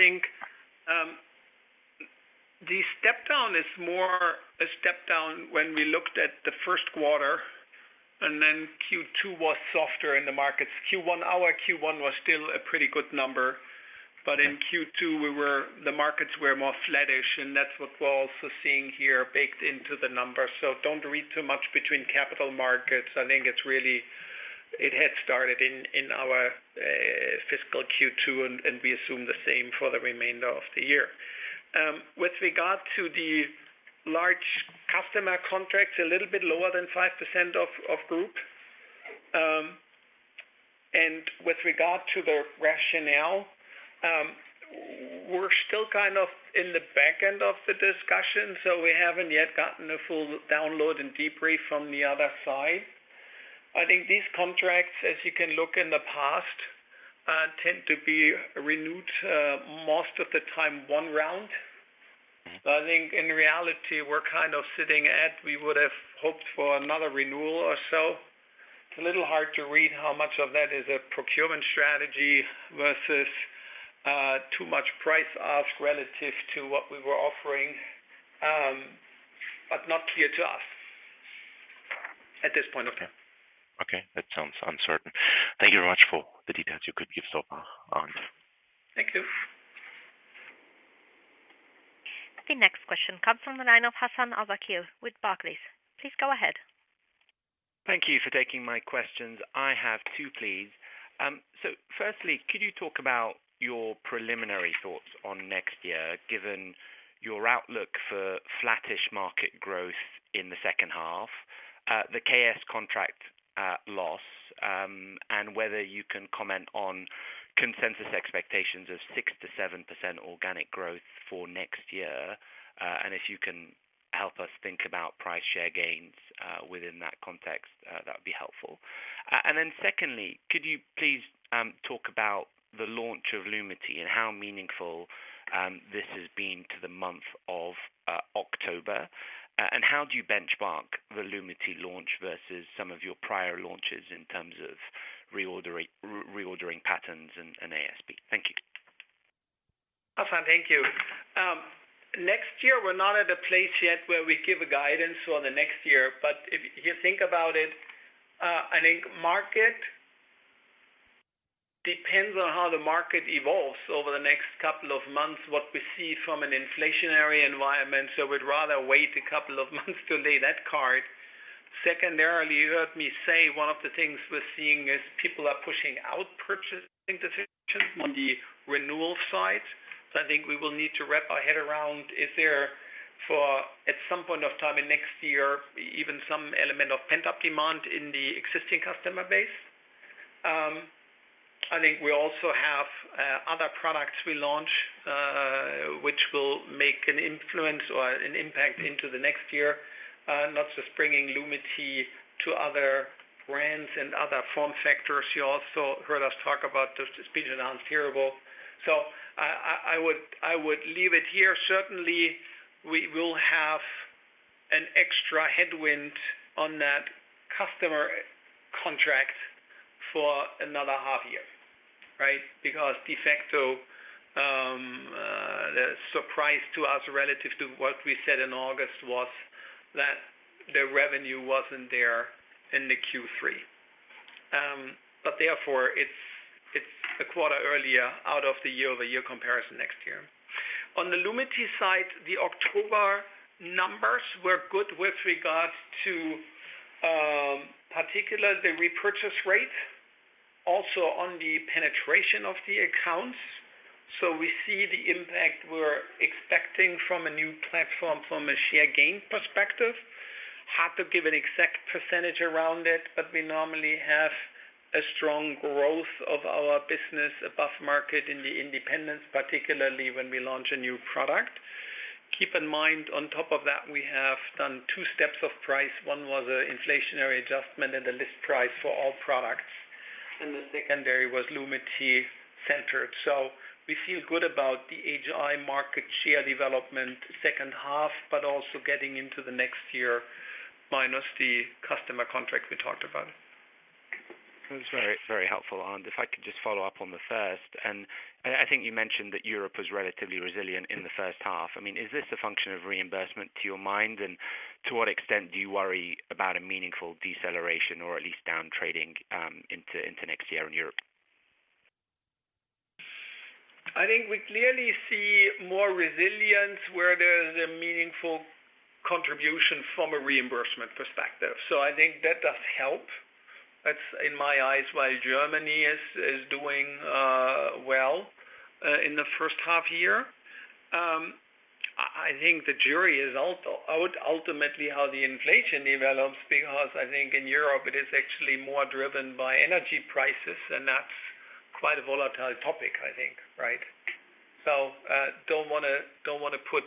think the step down is more a step down when we looked at the 1st quarter and then Q2 was softer in the markets. Our Q1 was still a pretty good number, but in Q2 the markets were more flattish, and that's what we're also seeing here baked into the numbers. Don't read too much into capital markets. I think it had started in our fiscal Q2 and we assume the same for the remainder of the year. With regard to the large customer contracts, a little bit lower than 5% of group. With regard to the rationale, we're still kind of in the back end of the discussion, so we haven't yet gotten a full download and debrief from the other side. I think these contracts, as you can look in the past, tend to be renewed, most of the time one round. Mm-hmm. I think in reality, we're kind of sitting at we would have hoped for another renewal or so. It's a little hard to read how much of that is a procurement strategy versus, too much price ask relative to what we were offering, but not clear to us at this point of time. Okay. That sounds uncertain. Thank you very much for the details you could give so far on. Thank you. The next question comes from the line of Hassan Al-Wakeel with Barclays. Please go ahead. Thank you for taking my questions. I have two, please. Firstly, could you talk about your preliminary thoughts on next year, given your outlook for flattish market growth in the 2nd half, the KS contract loss, and whether you can comment on consensus expectations of 6%-7% organic growth for next year. If you can help us think about price share gains within that context, that would be helpful. Secondly, could you please talk about the launch of Lumity and how meaningful this has been to the month of October? How do you benchmark the Lumity launch versus some of your prior launches in terms of reordering patterns and ASP? Thank you. Hassan, thank you. Next year we're not at a place yet where we give a guidance on the next year. If you think about it, I think market depends on how the market evolves over the next couple of months, what we see from an inflationary environment. We'd rather wait a couple of months to lay that card. Secondarily, you heard me say one of the things we're seeing is people are pushing out purchasing decisions on the renewal side. I think we will need to wrap our head around is there for, at some point of time in next year, even some element of pent-up demand in the existing customer base. I think we also have other products we launch, which will make an influence or an impact into the next year. Not just bringing Lumity to other brands and other form factors. You also heard us talk about the Speech Enhanced Hearable. I would leave it here. Certainly, we will have an extra headwind on that customer contract for another half year, right? Because de facto, the surprise to us relative to what we said in August was that the revenue wasn't there in the Q3. Therefore it's a quarter earlier out of the year-over-year comparison next year. On the Lumity side, the October numbers were good with regards to in particular the repurchase rate, also on the penetration of the accounts. We see the impact we're expecting from a new platform from a share gain perspective. Hard to give an exact percentage around it, but we normally have a strong growth of our business above market in the independents, particularly when we launch a new product. Keep in mind, on top of that, we have done two price steps. One was an inflationary adjustment and the list price for all products. The secondary was Lumity centered. We feel good about the HI market share development 2nd half, but also getting into the next year minus the customer contract we talked about. That's very, very helpful, Arnd. If I could just follow up on the first, and I think you mentioned that Europe was relatively resilient in the 1st half. I mean, is this a function of reimbursement to your mind? And to what extent do you worry about a meaningful deceleration or at least down trading into next year in Europe? I think we clearly see more resilience where there is a meaningful contribution from a reimbursement perspective. I think that does help. That's in my eyes, why Germany is doing well in the 1st half year. I think the jury is out ultimately how the inflation develops, because I think in Europe it is actually more driven by energy prices, and that's quite a volatile topic, I think, right? I don't want to put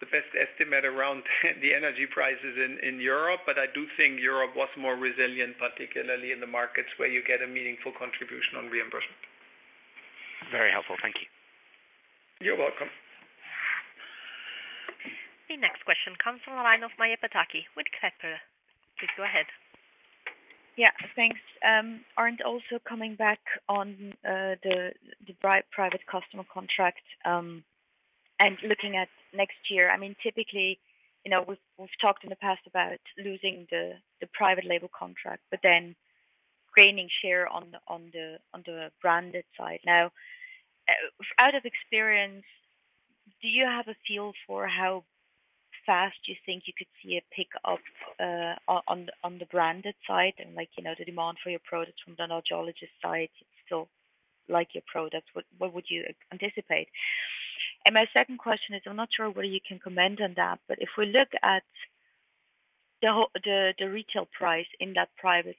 the best estimate around the energy prices in Europe, but I do think Europe was more resilient, particularly in the markets where you get a meaningful contribution on reimbursement. Very helpful. Thank you. You're welcome. The next question comes from the line of Maja Pataki with Kepler Cheuvreux. Please go ahead. Yeah, thanks. Arnd, also coming back on the private customer contract and looking at next year. I mean, typically, you know, we've talked in the past about losing the private label contract, but then gaining share on the branded side. Now, out of experience, do you have a feel for how fast you think you could see a pickup on the branded side and like, you know, the demand for your products from the audiologist side, it's still like your product. What would you anticipate? And my second question is, I'm not sure whether you can comment on that, but if we look at the retail price in that private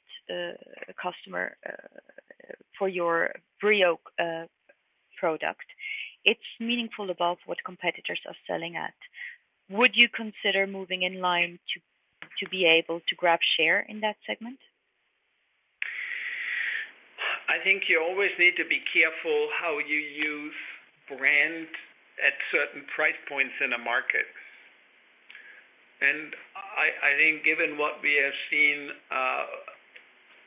customer for your Brio product, it's meaningful above what competitors are selling at. Would you consider moving in line to be able to grab share in that segment? I think you always need to be careful how you use brand at certain price points in a market. I think given what we have seen,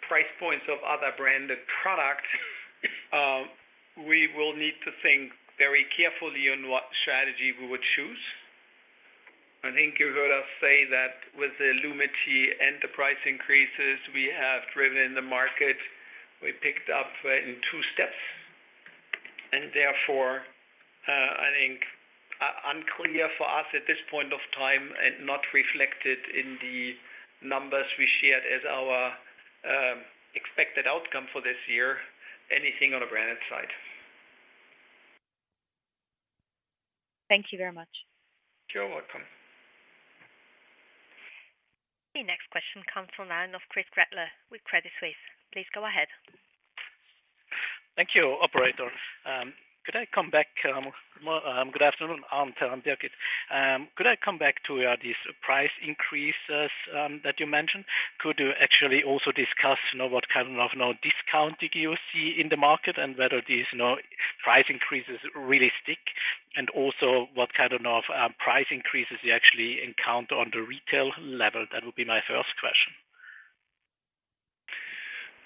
price points of other branded product, we will need to think very carefully on what strategy we would choose. I think you heard us say that with the Lumity and the price increases we have driven in the market, we picked up in two steps. Therefore, I think it's unclear for us at this point of time and not reflected in the numbers we shared as our expected outcome for this year, anything on the branded side. Thank you very much. You're welcome. The next question comes from the line of Christoph Gretler with Credit Suisse. Please go ahead. Thank you, operator. Could I come back? Good afternoon, Arnd and Birgit. Could I come back to these price increases that you mentioned? Could you actually also discuss, you know, what kind of now discounting you see in the market and whether these, you know, price increases really stick? What kind of price increases you actually encounter on the retail level? That would be my first question.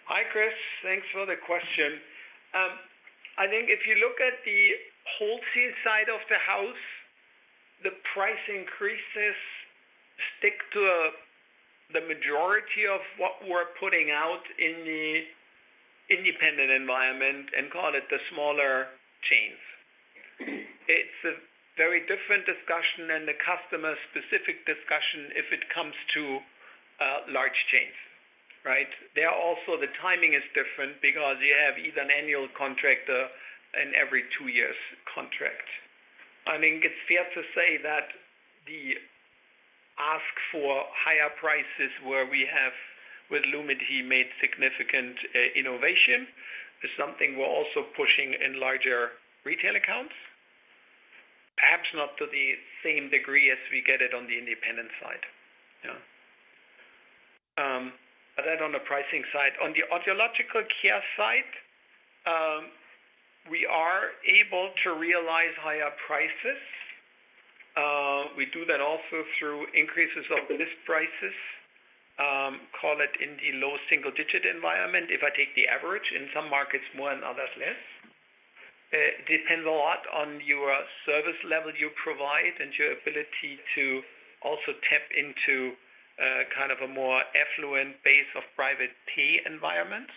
Hi, Chris. Thanks for the question. I think if you look at the wholesale side of the house, the price increases stick to the majority of what we're putting out in the independent environment and call it the smaller chains. It's a very different discussion and the customer-specific discussion if it comes to large chains, right? There also, the timing is different because you have either an annual contract and every two years contract. I think it's fair to say that the ask for higher prices where we have with Lumity made significant innovation is something we're also pushing in larger retail accounts. Perhaps not to the same degree as we get it on the independent side. Yeah. On the pricing side, on the audiological care side, we are able to realize higher prices. We do that also through increases of list prices, call it in the low single digit environment. If I take the average in some markets more and others less. Depends a lot on your service level you provide and your ability to also tap into kind of a more affluent base of private pay environments.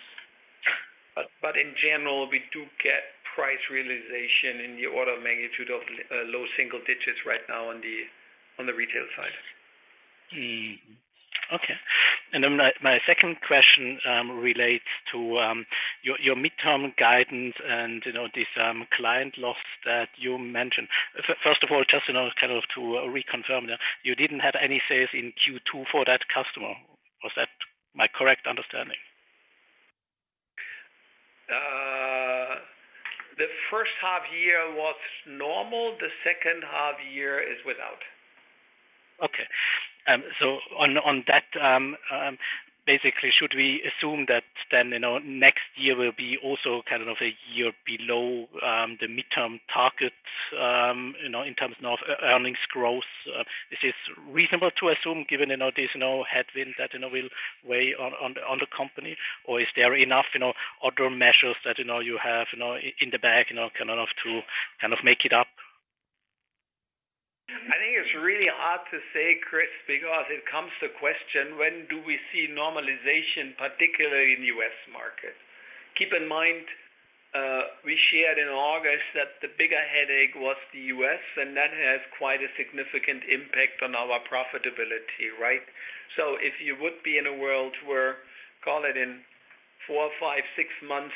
In general, we do get price realization in the order of magnitude of low single digits right now on the retail side. Okay. My second question relates to your midterm guidance and, you know, this client loss that you mentioned. First of all, just, you know, kind of to reconfirm that you didn't have any sales in Q2 for that customer. Was that my correct understanding? The 1st half year was normal. The 2nd half year is without. Okay. On that, basically, should we assume that then, you know, next year will be also kind of a year below the midterm targets, you know, in terms of earnings growth? Is this reasonable to assume given, you know, there's no headwind that, you know, will weigh on the company? Or is there enough, you know, other measures that, you know, you have, you know, in the back, you know, kind of to make it up? I think it's really hard to say, Chris, because it comes to question when do we see normalization, particularly in the U.S. market? Keep in mind, we shared in August that the bigger headache was the U.S., and that has quite a significant impact on our profitability, right? If you would be in a world where, call it in four, five, six months,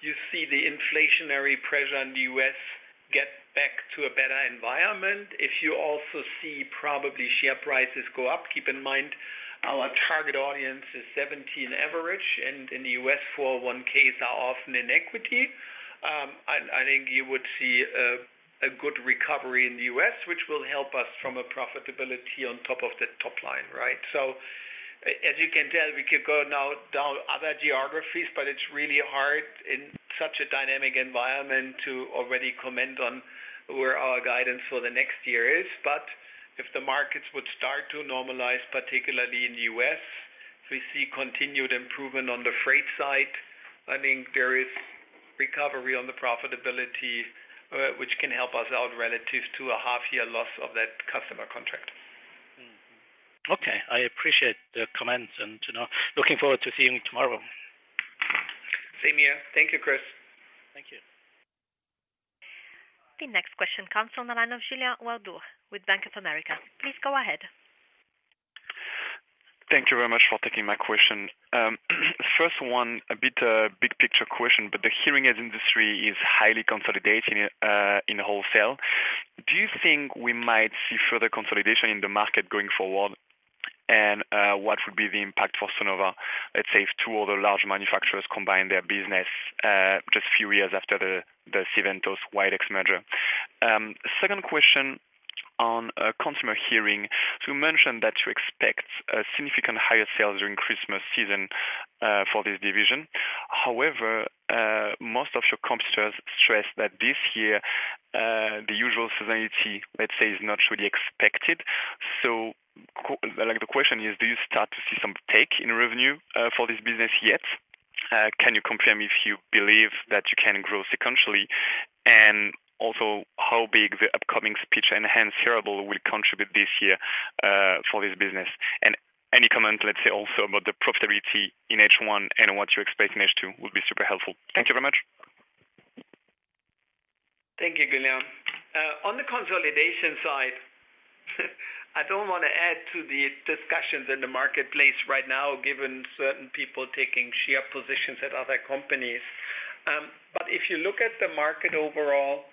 you see the inflationary pressure on the U.S. get back to a better environment. If you also see probably share prices go up, keep in mind our target audience is 70 average, and in the U.S., 401(k)s are often in equity. I think you would see a good recovery in the U.S., which will help us from a profitability on top of the top line, right? As you can tell, we could go now down other geographies, but it's really hard in such a dynamic environment to already comment on where our guidance for the next year is. If the markets would start to normalize, particularly in the U.S., if we see continued improvement on the freight side, I think there is recovery on the profitability, which can help us out relative to a half year loss of that customer contract. Okay. I appreciate the comments, and, you know, looking forward to seeing tomorrow. Same here. Thank you, Chris. Thank you. The next question comes from the line of Julien Ouaddour with Bank of America. Please go ahead. Thank you very much for taking my question. First one, a bit big picture question, but the hearing aid industry is highly consolidating in wholesale. Do you think we might see further consolidation in the market going forward? What would be the impact for Sonova, let's say, if two other large manufacturers combine their business just few years after the Sivantos Widex merger? Second question on consumer hearing. You mentioned that you expect a significant higher sales during Christmas season for this division. However, most of your competitors stress that this year the usual seasonality, let's say, is not really expected. Like the question is, do you start to see some uptake in revenue for this business yet? Can you confirm if you believe that you can grow sequentially? Also how big the upcoming speech-enhanced hearable will contribute this year for this business? Any comment, let's say, also about the profitability in H1 and what you expect in H2 would be super helpful. Thank you very much. Thank you, Julien. On the consolidation side, I don't wanna add to the discussions in the marketplace right now, given certain people taking share positions at other companies. If you look at the market overall,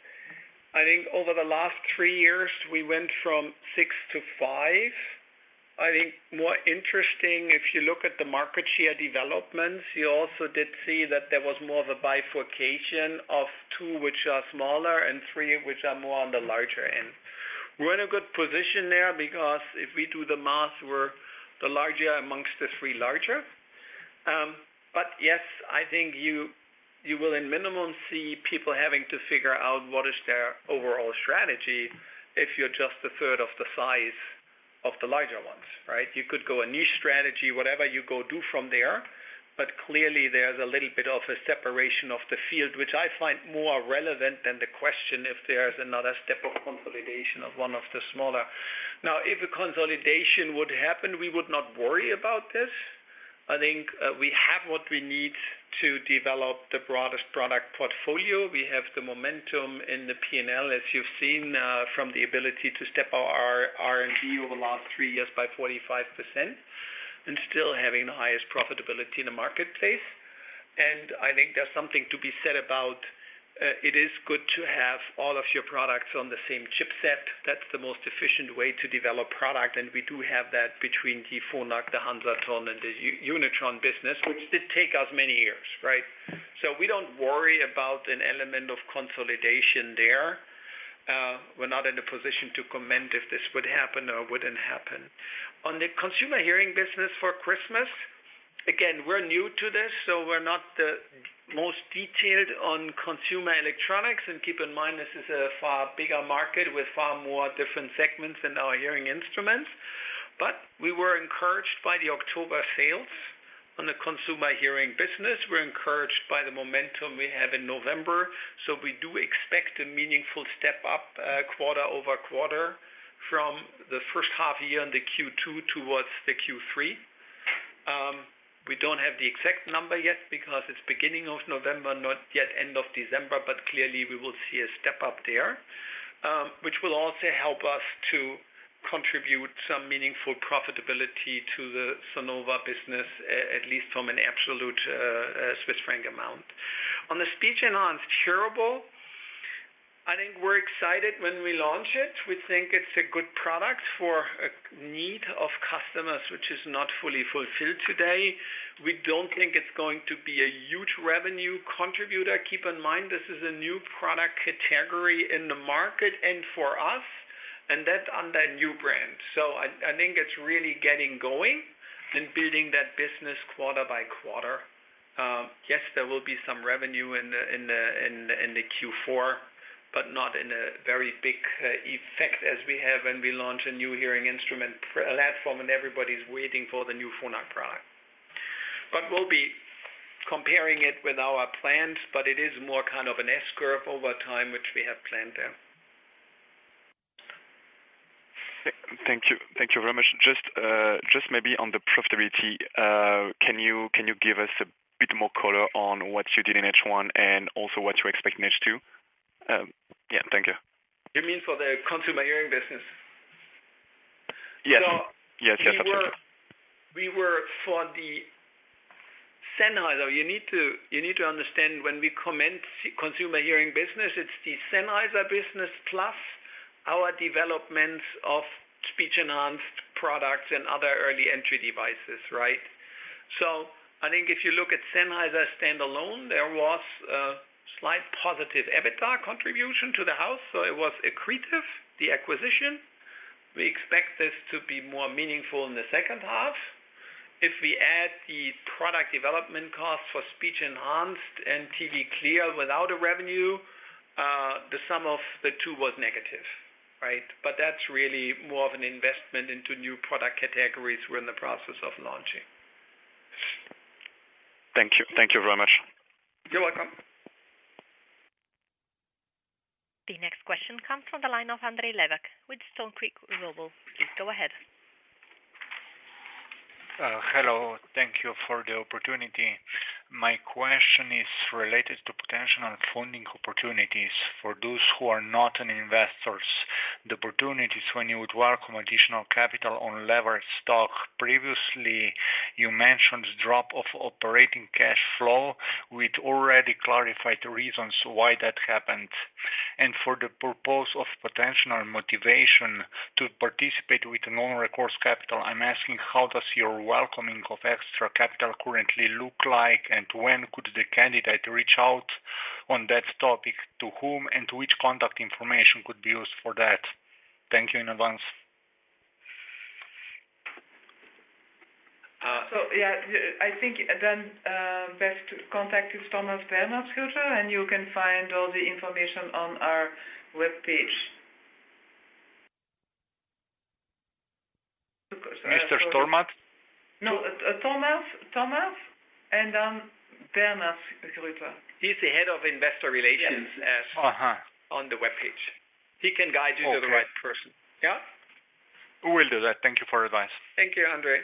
I think over the last three years, we went from six to five. I think more interesting, if you look at the market share developments, you also did see that there was more of a bifurcation of two which are smaller and three which are more on the larger end. We're in a good position there because if we do the math, we're the larger amongst the three larger. Yes, I think you will at a minimum see people having to figure out what is their overall strategy if you're just a third of the size of the larger ones, right? You could go with a niche strategy, whatever you want to do from there. Clearly there's a little bit of a separation of the field, which I find more relevant than the question if there's another step of consolidation of one of the smaller. Now, if a consolidation would happen, we would not worry about this. I think we have what we need to develop the broadest product portfolio. We have the momentum in the P&L, as you've seen, from the ability to step up our R&D over the last three years by 45% and still having the highest profitability in the marketplace. I think there's something to be said about it is good to have all of your products on the same chipset. That's the most efficient way to develop product. We do have that between the Phonak, the Hansaton, and the Unitron business, which did take us many years, right? We don't worry about an element of consolidation there. We're not in a position to comment if this would happen or wouldn't happen. On the Consumer Hearing business for Christmas, again, we're new to this, so we're not the most detailed on consumer electronics. Keep in mind, this is a far bigger market with far more different segments than our Hearing Instruments. We were encouraged by the October sales on the Consumer Hearing business. We're encouraged by the momentum we have in November. We do expect a meaningful step up quarter-over-quarter from the 1st half year in the Q2 towards the Q3. We don't have the exact number yet because it's beginning of November, not yet end of December, but clearly we will see a step up there, which will also help us to contribute some meaningful profitability to the Sonova business, at least from an absolute Swiss Franc amount. On the speech-enhanced hearable, I think we're excited when we launch it. We think it's a good product for a need of customers, which is not fully fulfilled today. We don't think it's going to be a huge revenue contributor. Keep in mind, this is a new product category in the market and for us, and that's on that new brand. I think it's really getting going and building that business quarter-by-quarter. Yes, there will be some revenue in the Q4, but not in a very big effect as we have when we launch a new hearing instrument platform, and everybody's waiting for the new Phonak product. We'll be comparing it with our plans, but it is more kind of an S-curve over time, which we have planned there. Thank you. Thank you very much. Just maybe on the profitability, can you give us a bit more color on what you did in H1 and also what you expect in H2? Yeah. Thank you. You mean for the Consumer Hearing business? Yes. Yes, absolutely. We were for the Sennheiser. You need to understand, when we commence Consumer Hearing business, it's the Sennheiser business plus our development of speech-enhanced products and other early entry devices, right? I think if you look at Sennheiser standalone, there was a slight positive EBITDA contribution to the house, so it was accretive, the acquisition. We expect this to be more meaningful in the 2nd half. If we add the product development cost for speech-enhanced and TV Clear without a revenue, the sum of the two was negative, right? That's really more of an investment into new product categories we're in the process of launching. Thank you. Thank you very much. You're welcome. The next question comes from the line of Andrej Levak with Stone Creek Global. Please go ahead. Hello. Thank you for the opportunity. My question is related to potential funding opportunities for those who are not investors. The opportunities when you would work on additional capital on levered stock. Previously, you mentioned drop of operating cash flow. We'd already clarified the reasons why that happened. For the purpose of potential motivation to participate with non-recourse capital, I'm asking, how does your welcoming of extra capital currently look like? When could the candidate reach out on that topic? To whom and which contact information could be used for that? Thank you in advance. Yeah, I think the best to contact is Thomas Bernhardsgrütter, and you can find all the information on our webpage. Mr. Bernhardsgrütter? No, Thomas Bernhardsgrütter. He's the head of Investor Relations. Yes. On the webpage. He can guide you to the right person. Yeah? We will do that. Thank you for advice. Thank you, Andrej.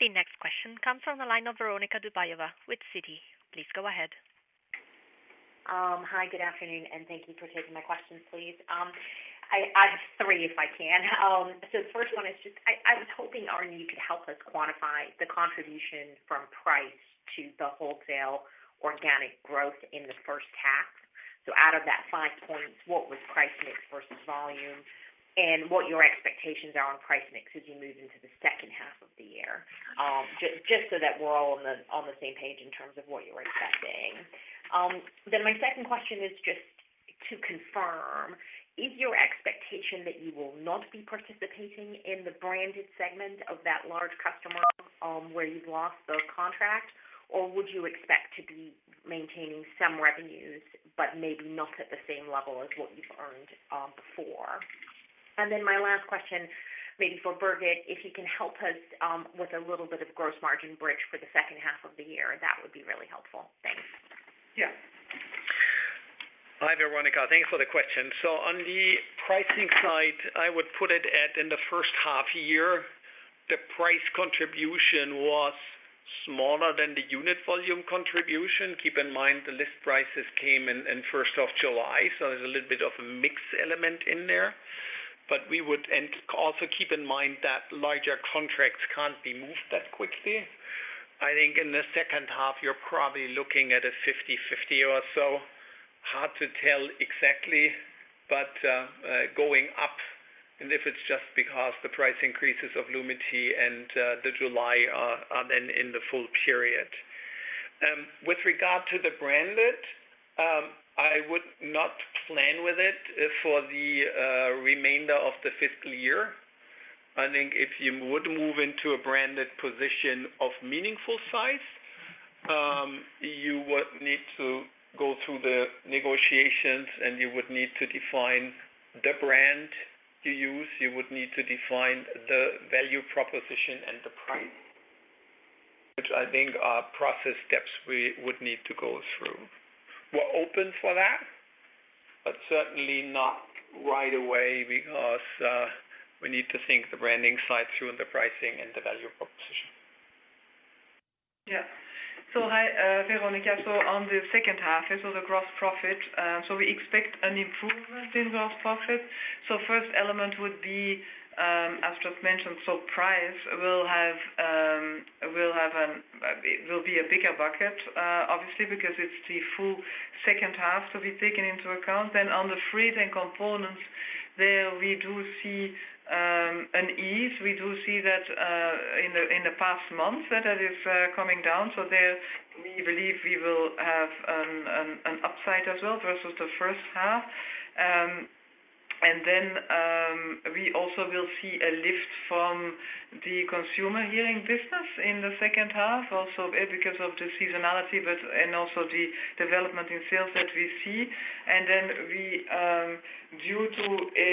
The next question comes from the line of Veronika Dubajova with Citi. Please go ahead. Hi, good afternoon, and thank you for taking my questions, please. I have three, if I can. The first one is just, I was hoping, Arnd, you could help us quantify the contribution from price to the wholesale organic growth in the 1st half. Out of that five points, what was price mix versus volume? And what your expectations are on price mix as you move into the 2nd half of the year, just so that we're all on the same page in terms of what you're expecting. My second question is just to confirm. Is your expectation that you will not be participating in the branded segment of that large customer, where you've lost the contract? Would you expect to be maintaining some revenues, but maybe not at the same level as what you've earned, before? My last question, maybe for Birgit, if you can help us, with a little bit of gross margin bridge for the 2nd half of the year, that would be really helpful. Thanks. Yeah. Hi, Veronika. Thanks for the question. On the pricing side, I would put it at in the 1st half year, the price contribution was smaller than the unit volume contribution. Keep in mind the list prices came in 1st July, so there's a little bit of a mix element in there. Keep in mind that larger contracts can't be moved that quickly. I think in the 2nd half you're probably looking at a 50/50 or so. Hard to tell exactly, but going up, and if it's just because the price increases of Lumity and the July are then in the full period. With regard to the branded, I would not plan with it for the remainder of the fiscal year. I think if you would move into a branded position of meaningful size, you would need to go through the negotiations and you would need to define the brand you use. You would need to define the value proposition and the price, which I think are process steps we would need to go through. We're open for that, but certainly not right away because we need to think through the branding side, the pricing and the value proposition. Yeah. Hi, Veronika. On the 2nd half, the gross profit. We expect an improvement in gross profit. First element would be, as just mentioned, price will be a bigger bucket, obviously, because it's the full 2nd half to be taken into account. On the freight and components there we do see an easing. We do see that in the past month that is coming down. There we believe we will have an upside as well versus the 1st half. We also will see a lift from the Consumer Hearing business in the 2nd half also because of the seasonality, and also the development in sales that we see. We, due to a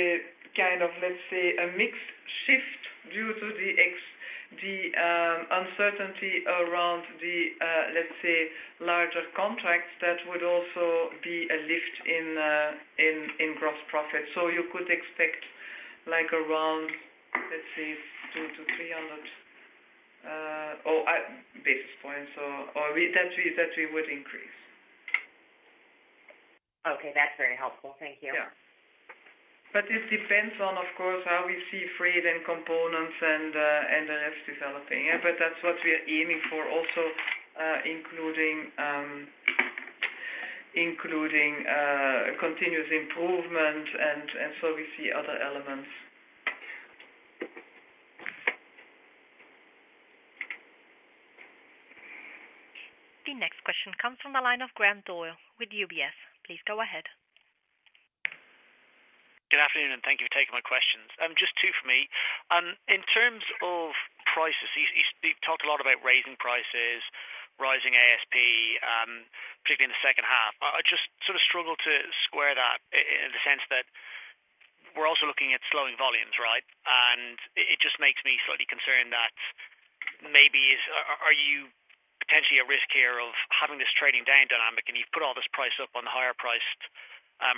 kind of, let's say, a mix shift due to the uncertainty around the, let's say larger contracts, that would also be a lift in gross profit. You could expect like around, let's say 200 to 300 basis points or that we would increase. Okay, that's very helpful. Thank you. Yeah. It depends on of course, how we see freight and components and the rest developing. Yeah, that's what we are aiming for also, including continuous improvement and so we see other elements. The next question comes from the line of Graham Doyle with UBS. Please go ahead. Good afternoon, and thank you for taking my questions. Just two for me. In terms of prices, you talked a lot about raising prices, rising ASP, particularly in the 2nd half. I just sort of struggle to square that in the sense that we're also looking at slowing volumes, right? It just makes me slightly concerned. Are you potentially at risk here of having this trading down dynamic, and you've put all this price up on the higher priced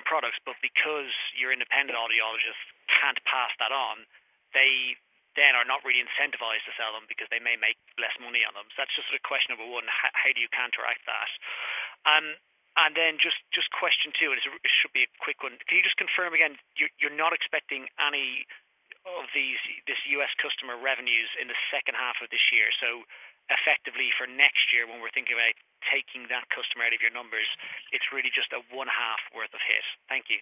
products, but because your independent audiologists can't pass that on, they then are not re-incentivized to sell them because they may make less money on them. That's just a question about one, how do you counteract that? Just question two, and it should be a quick one. Can you just confirm again you're not expecting any of these, this U.S. customer revenues in the 2nd half of this year? Effectively for next year when we're thinking about taking that customer out of your numbers, it's really just a 1/2 worth of hit. Thank you.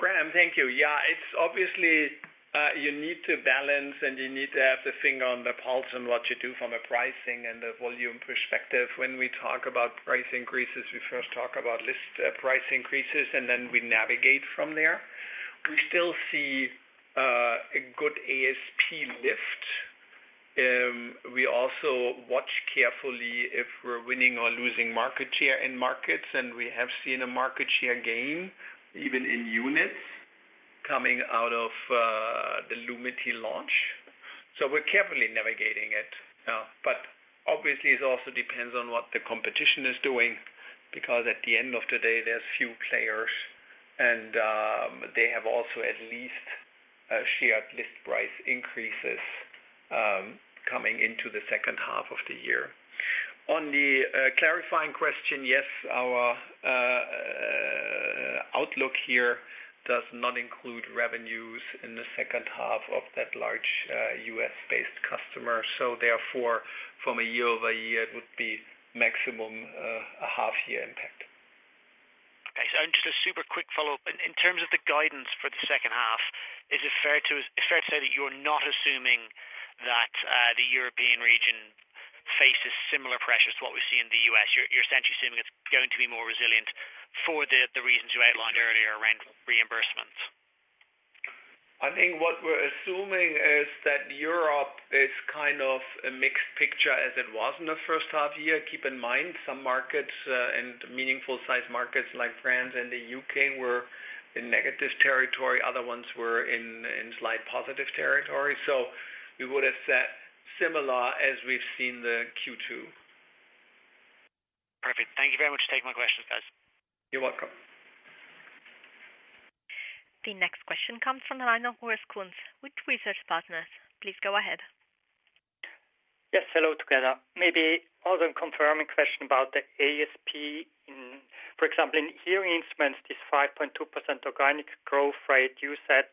Graham, thank you. Yeah, it's obviously you need to balance, and you need to have the finger on the pulse on what you do from a pricing and a volume perspective. When we talk about price increases, we first talk about list price increases, and then we navigate from there. We still see a good ASP lift. We also watch carefully if we're winning or losing market share in markets, and we have seen a market share gain, even in units coming out of the Lumity launch. We're carefully navigating it. Obviously it also depends on what the competition is doing because at the end of the day, there's few players and they have also at least a shared list price increases coming into the 2nd half of the year. On the clarifying question, yes, our outlook here does not include revenues in the 2nd half of that large U.S.-based customer. Therefore from a year-over-year, it would be maximum a half year impact. Okay. Just a super quick follow-up. In terms of the guidance for the 2nd half, is it fair to say that you're not assuming that the European region faces similar pressures to what we see in the U.S.? You're essentially assuming it's going to be more resilient for the reasons you outlined earlier around reimbursements. I think what we're assuming is that Europe is kind of a mixed picture as it was in the 1st half year. Keep in mind some markets and meaningful size markets like France and the U.K. were in negative territory. Other ones were in slight positive territory. We would have said similar as we've seen the Q2. Perfect. Thank you very much for taking my questions, guys. You're welcome. The next question comes from the line of Urs Kunz with Research Partners. Please go ahead. Yes, hello together. Maybe also a confirming question about the ASP. For example, in hearing instruments, this 5.2% organic growth rate, you said,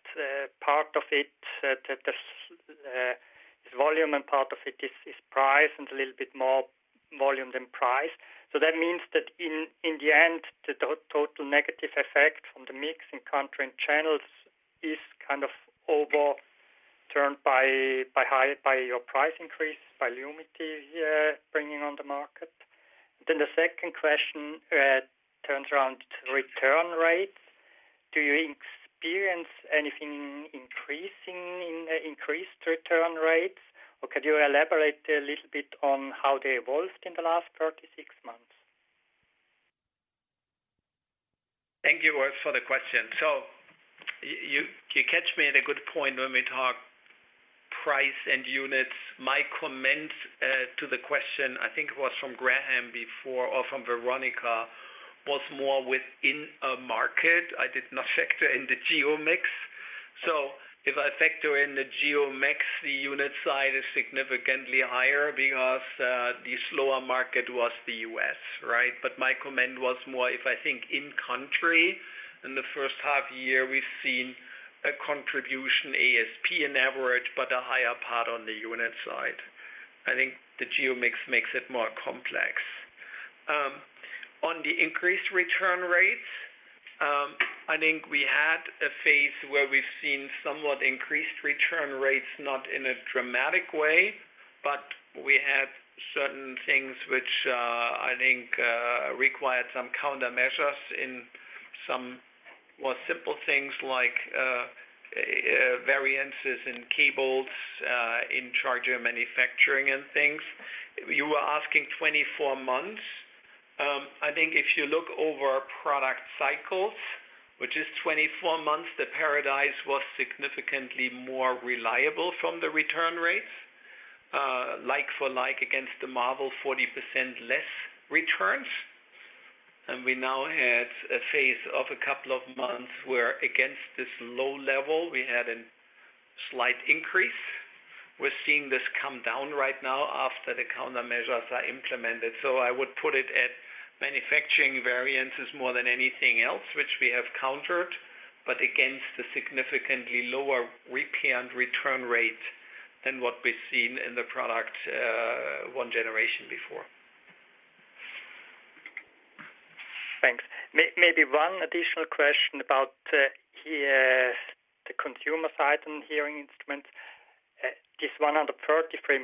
part of it is volume and part of it is price and a little bit more volume than price. That means that in the end, the total negative effect from the mix in country and channels is kind of overall turned by higher, by your price increase, by Lumity bringing on the market. The second question turns around return rates. Do you experience anything increasing in increased return rates, or could you elaborate a little bit on how they evolved in the last 36 months? Thank you, Urs, for the question. You catch me at a good point when we talk price and units. My comment to the question, I think it was from Graham before or from Veronika. Was more within a market. I did not factor in the geo mix. If I factor in the geo mix, the unit side is significantly higher because the slower market was the U.S., right? My comment was more if I think in country, in the 1st half year, we've seen a contribution ASP in average, but a higher part on the unit side. I think the geo mix makes it more complex. On the increased return rates, I think we had a phase where we've seen somewhat increased return rates, not in a dramatic way, but we had certain things which, I think, required some countermeasures in some more simple things like, variances in cables, in charger manufacturing and things. You were asking 24 months. I think if you look over product cycles, which is 24 months, the Paradise was significantly more reliable from the return rates, like for like against the Marvel, 40% less returns. We now had a phase of a couple of months where against this low level, we had a slight increase. We're seeing this come down right now after the countermeasures are implemented. I would put it at manufacturing variances more than anything else, which we have countered, but against the significantly lower repair and return rate than what we've seen in the product, one generation before. Thanks. Maybe one additional question about the consumer side and hearing instruments. This 133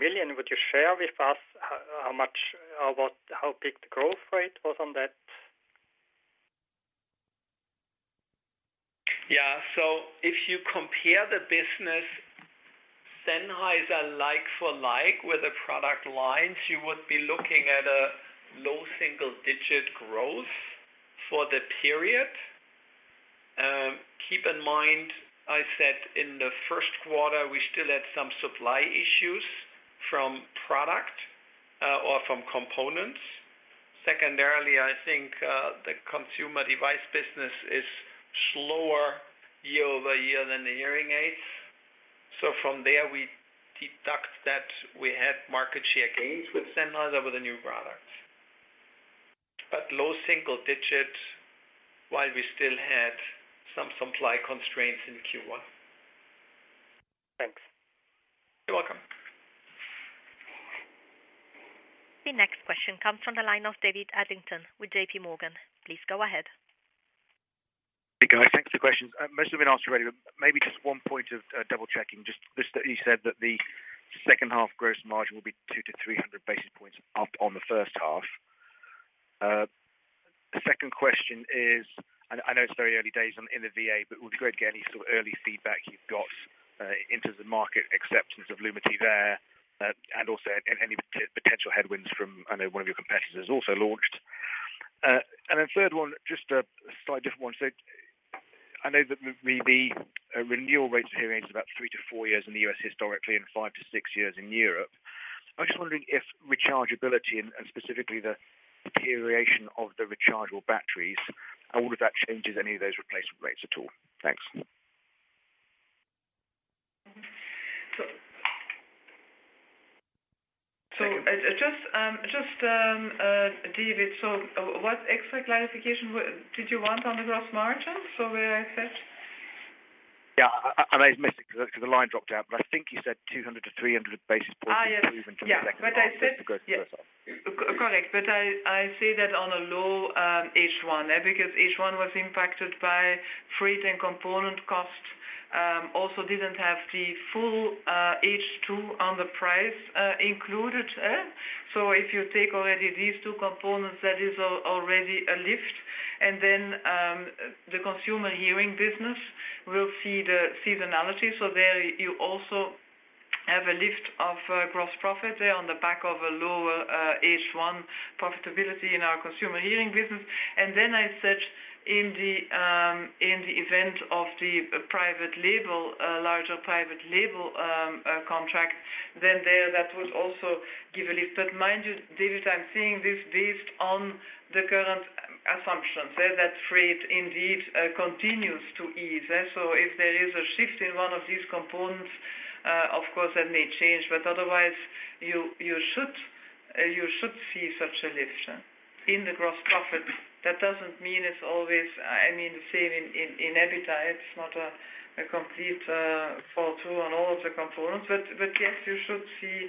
million, would you share with us how big the growth rate was on that? Yeah. If you compare the business, Sennheiser like for like with the product lines, you would be looking at a low single-digit growth for the period. Keep in mind I said in the 1st quarter, we still had some supply issues from product, or from components. Secondarily, I think the consumer device business is slower year-over-year than the hearing aids. From there we deduct that we had market share gains with Sennheiser with the new products. Low single-digit, while we still had some supply constraints in Q1. Thanks. You're welcome. The next question comes from the line of David Adlington with J.P. Morgan. Please go ahead. Hey, guys. Thanks for the questions. Most have been asked already, but maybe just one point of double-checking. Just this, that you said that the 2nd half gross margin will be 200-300 basis points up on the 1st half. The second question is, I know it's very early days in the VA, but would you go and get any sort of early feedback you've got into the market acceptance of Lumity there, and also any potential headwinds from, I know one of your competitors has also launched. And then third one, just a slightly different one. I know that the renewal rates of hearing aids is about three to four years in the U.S. historically, and five to six years in Europe. I'm just wondering if rechargeability and specifically the deterioration of the rechargeable batteries, how would if that changes any of those replacement rates at all? Thanks. Just, David, what extra clarification did you want on the gross margin? Where I said? Yeah, I know you've missed it because the line dropped out, but I think you said 200-300 basis points. Yes. Improvement in the 2nd half. Yeah. I said. That's a good first off. Yes. Correct. I say that on a low H1. Because H1 was impacted by freight and component costs, also didn't have the full H2 on the price included. If you take already these two components, that is already a lift. The Consumer Hearing business will see the seasonality. There you also have a lift of gross profit there on the back of a lower H1 profitability in our Consumer Hearing business. I said in the event of the private label larger private label contract, then there that would also give a lift. Mind you, David, I'm seeing this based on the current assumptions that freight indeed continues to ease. If there is a shift in one of these components, of course, that may change. Otherwise, you should see such a lift in the gross profit. That doesn't mean it's always, I mean, the same in EBITDA. It's not a complete fall through on all of the components. Yes, you should see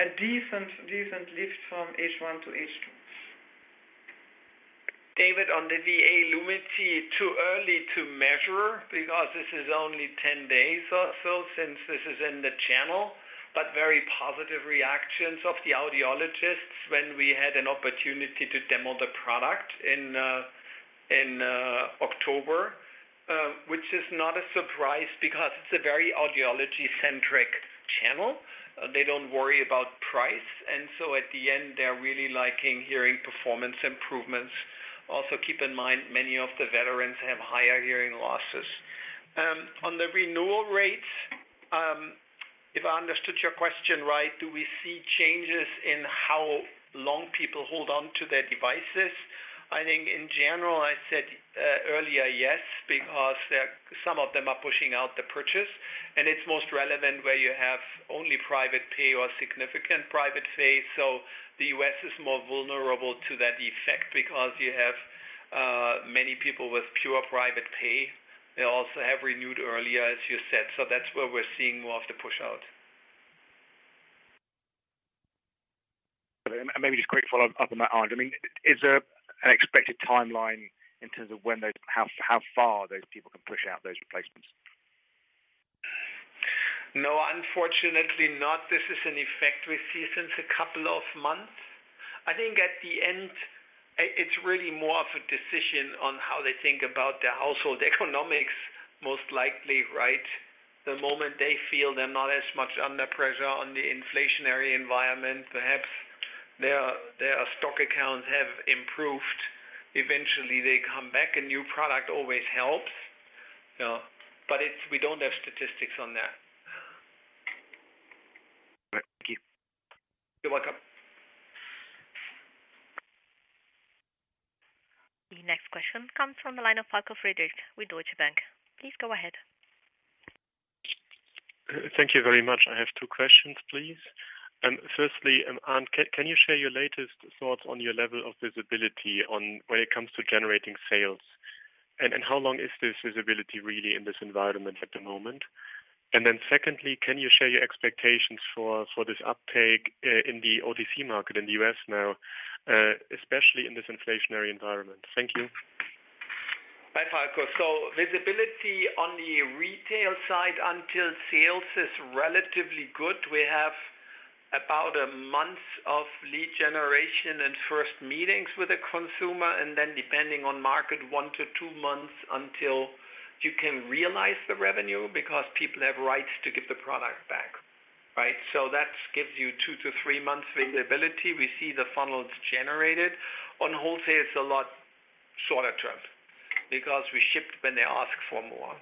a decent lift from H1 to H2. David, on the VA Lumity, too early to measure because this is only 10 days or so since this is in the channel, but very positive reactions of the audiologists when we had an opportunity to demo the product in October. Which is not a surprise because it's a very audiology-centric channel. They don't worry about price, and so at the end, they're really liking hearing performance improvements. Also, keep in mind many of the veterans have higher hearing losses. On the renewal rates. If I understood your question right, do we see changes in how long people hold on to their devices? I think in general, I said earlier, yes, because some of them are pushing out the purchase and it's most relevant where you have only private pay or significant private pay. The U.S. is more vulnerable to that effect because you have many people with pure private pay. They also have renewed earlier, as you said. That's where we're seeing more of the pushout. Maybe just a quick follow-up on that, Arnd. I mean, is there an expected timeline in terms of how far those people can push out those replacements? No, unfortunately not. This is an effect we see since a couple of months. I think at the end, it's really more of a decision on how they think about their household economics, most likely, right? The moment they feel they're not as much under pressure on the inflationary environment, perhaps their stock accounts have improved. Eventually, they come back. A new product always helps, but we don't have statistics on that. All right. Thank you. You're welcome. The next question comes from the line of Falko Friedrichs with Deutsche Bank. Please go ahead. Thank you very much. I have two questions, please. Firstly, Arnd, can you share your latest thoughts on your level of visibility on when it comes to generating sales? How long is this visibility really in this environment at the moment? Secondly, can you share your expectations for this uptake in the OTC market in the U.S. now, especially in this inflationary environment? Thank you. Hi, Falko. Visibility on the retail side until sales is relatively good. We have about a month of lead generation and first meetings with the consumer, and then depending on market, one to two months until you can realize the revenue because people have rights to give the product back, right? That gives you two to three months visibility. We see the funnels generated. On wholesale, it's a lot shorter term because we ship when they ask for more.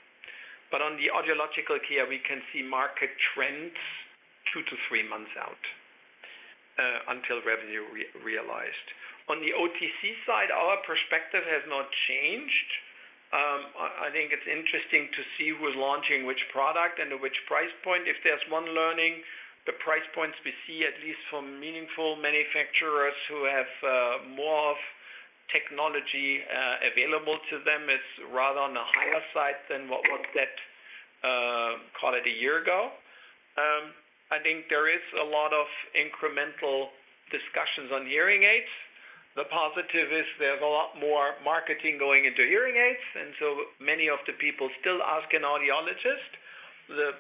On the audiological care, we can see market trends two to three months out until revenue realized. On the OTC side, our perspective has not changed. I think it's interesting to see who's launching which product and at which price point. If there's one learning, the price points we see, at least from meaningful manufacturers who have more of technology available to them, is rather on the higher side than what was set, call it a year ago. I think there is a lot of incremental discussions on hearing aids. The positive is there's a lot more marketing going into hearing aids, and so many of the people still ask an audiologist. The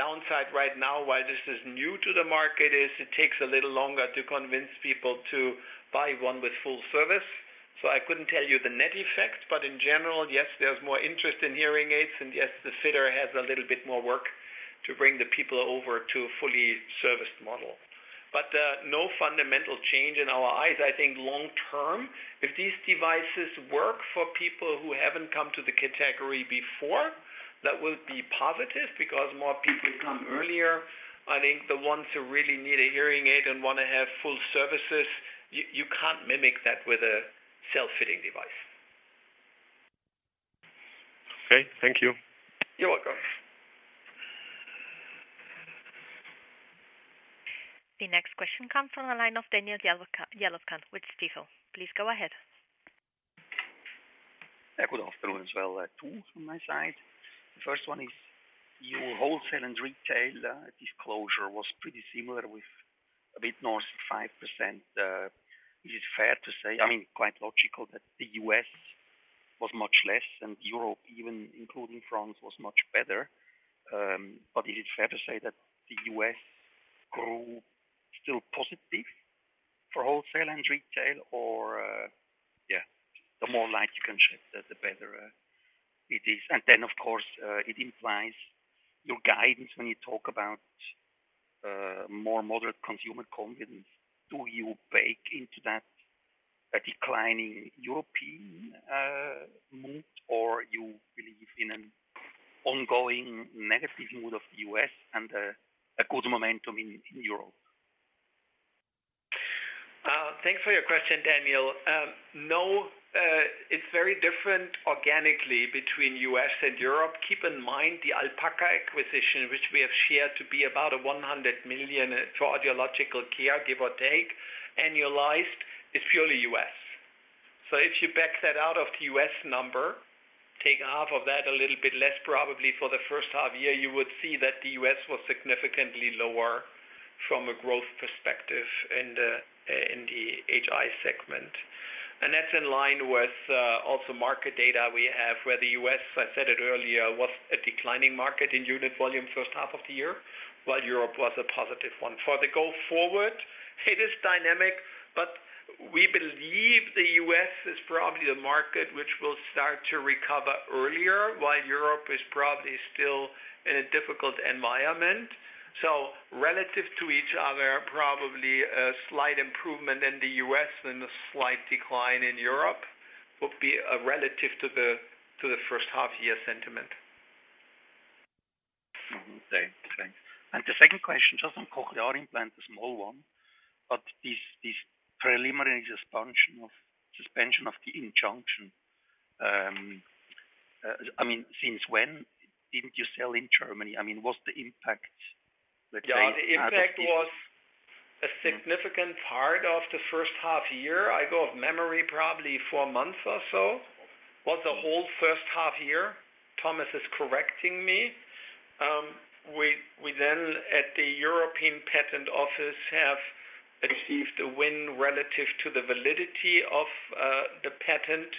downside right now, while this is new to the market, is it takes a little longer to convince people to buy one with full service. I couldn't tell you the net effect, but in general, yes, there's more interest in hearing aids, and yes, the fitter has a little bit more work to bring the people over to a fully serviced model. No fundamental change in our eyes. I think long term, if these devices work for people who haven't come to the category before, that will be positive because more people come earlier. I think the ones who really need a hearing aid and want to have full services, you can't mimic that with a self-fitting device. Okay. Thank you. You're welcome. The next question comes from the line of Daniel Jelovcan with Stifel. Please go ahead. Yeah. Good afternoon as well. Two from my side. The first one is your wholesale and retail disclosure was pretty similar with a bit north of 5%. Is it fair to say, I mean, quite logical, that the U.S. was much less and Europe, even including France, was much better. But is it fair to say that the U.S. grew still positive for wholesale and retail or the more light you can shed, the better it is. Then, of course, it implies your guidance when you talk about more moderate consumer confidence. Do you bake into that a declining European mood or you believe in an ongoing negative mood of the U.S. and a good momentum in Europe? Thanks for your question, Daniel. No, it's very different organically between U.S. and Europe. Keep in mind, the Alpaca acquisition, which we have shared to be about $100 million for Audiological Care, give or take, annualized, is purely U.S. If you back that out of the U.S. number, take half of that, a little bit less probably for the 1st half year, you would see that the U.S. was significantly lower from a growth perspective in the HI segment. That's in line with also market data we have, where the U.S., I said it earlier, was a declining market in unit volume 1st half of the year, while Europe was a positive one. Going forward, it is dynamic, but we believe the U.S. is probably the market which will start to recover earlier, while Europe is probably still in a difficult environment. Relative to each other, probably a slight improvement in the U.S. and a slight decline in Europe would be relative to the 1st half year sentiment. Okay, thanks. The second question, just on Cochlear implant, a small one, but this preliminary suspension of the injunction, I mean since when didn't you sell in Germany? I mean, what's the impact that they had with the- Yeah, the impact was a significant part of the 1st half year. I go off memory probably four months or so. Was the whole 1st half year. Thomas is correcting me. We then at the European Patent Office have achieved a win relative to the validity of the patent.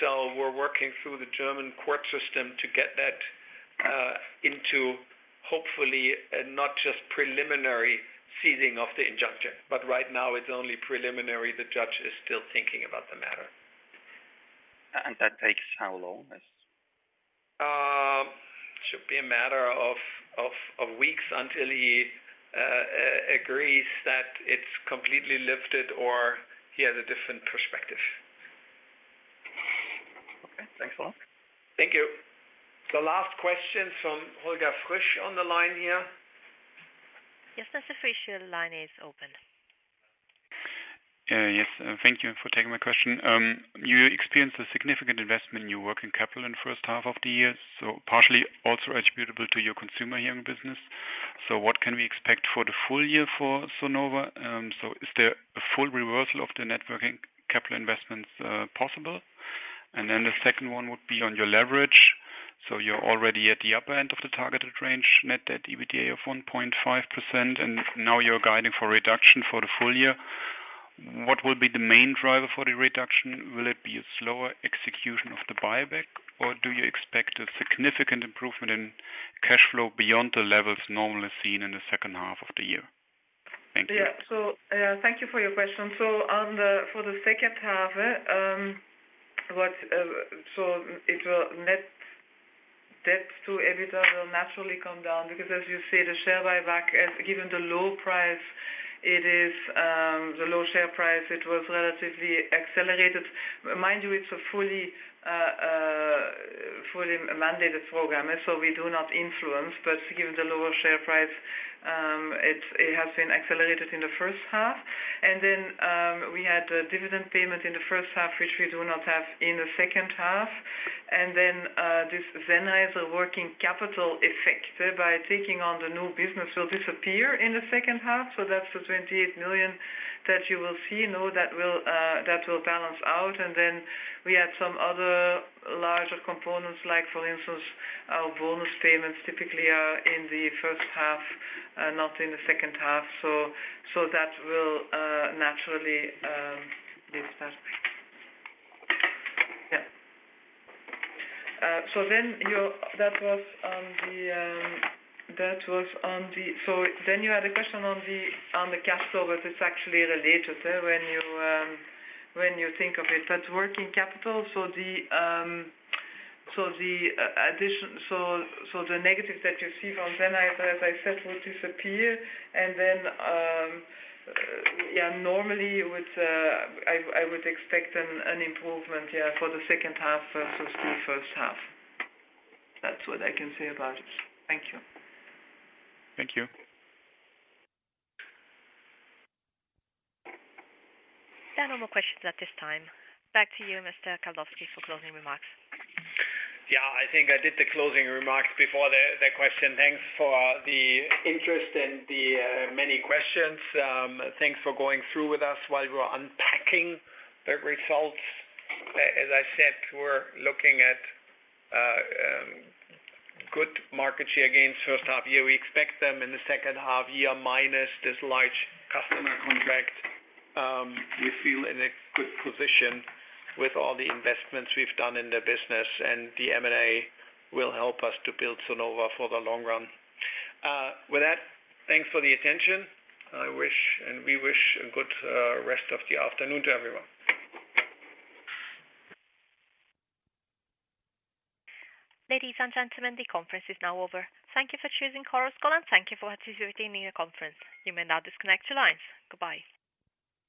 We're working through the German court system to get that into hopefully not just preliminary ceasing of the injunction, but right now it's only preliminary. The judge is still thinking about the matter. That takes how long? Should be a matter of weeks until he agrees that it's completely lifted or he has a different perspective. Okay, thanks a lot. Thank you. The last question from Holger Frisch on the line here. Yes, Mr. Frisch, your line is open. Yes, thank you for taking my question. You experienced a significant investment in your working capital in the 1st half of the year, so partially also attributable to your Consumer Hearing business. What can we expect for the full year for Sonova? Is there a full reversal of the net working capital investments possible? Then the second one would be on your leverage. You're already at the upper end of the targeted range, net debt EBITDA of 1.5%, and now you're guiding for reduction for the full year. What will be the main driver for the reduction? Will it be a slower execution of the buyback, or do you expect a significant improvement in cash flow beyond the levels normally seen in the 2nd half of the year? Thank you. Yeah. Thank you for your question. For the 2nd half, net debt to EBITDA will naturally come down because, as you say, the share buyback, given the low price it is, the low share price, it was relatively accelerated. Mind you, it's a fully mandated program, so we do not influence. But given the lower share price, it has been accelerated in the 1st half. We had a dividend payment in the 1st half, which we do not have in the 2nd half. This Sennheiser, the working capital effect by taking on the new business will disappear in the 2nd half. That's the 28 million that you will see. No, that will balance out. We had some other larger components like for instance, our bonus payments typically are in the 1st half, not in the 2nd half. That will naturally disappear. You had a question on the cash flow, but it's actually related when you think of it, that's working capital. The negative that you see from them as I said will disappear. Normally, I would expect an improvement for the 2nd half versus the 1st half. That's what I can say about it. Thank you. Thank you. There are no more questions at this time. Back to you, Mr. Kaldowski, for closing remarks. Yeah. I think I did the closing remarks before the question. Thanks for the interest and the many questions. Thanks for going through with us while we were unpacking the results. As I said, we're looking at good market share again 1st half year. We expect them in the 2nd half year minus this large customer contract. We feel in a good position with all the investments we've done in the business, and the M&A will help us to build Sonova for the long run. With that, thanks for the attention. We wish a good rest of the afternoon to everyone. Ladies and gentlemen, the conference is now over. Thank you for choosing Chorus Call, and thank you for participating in the conference. You may now disconnect your lines. Goodbye.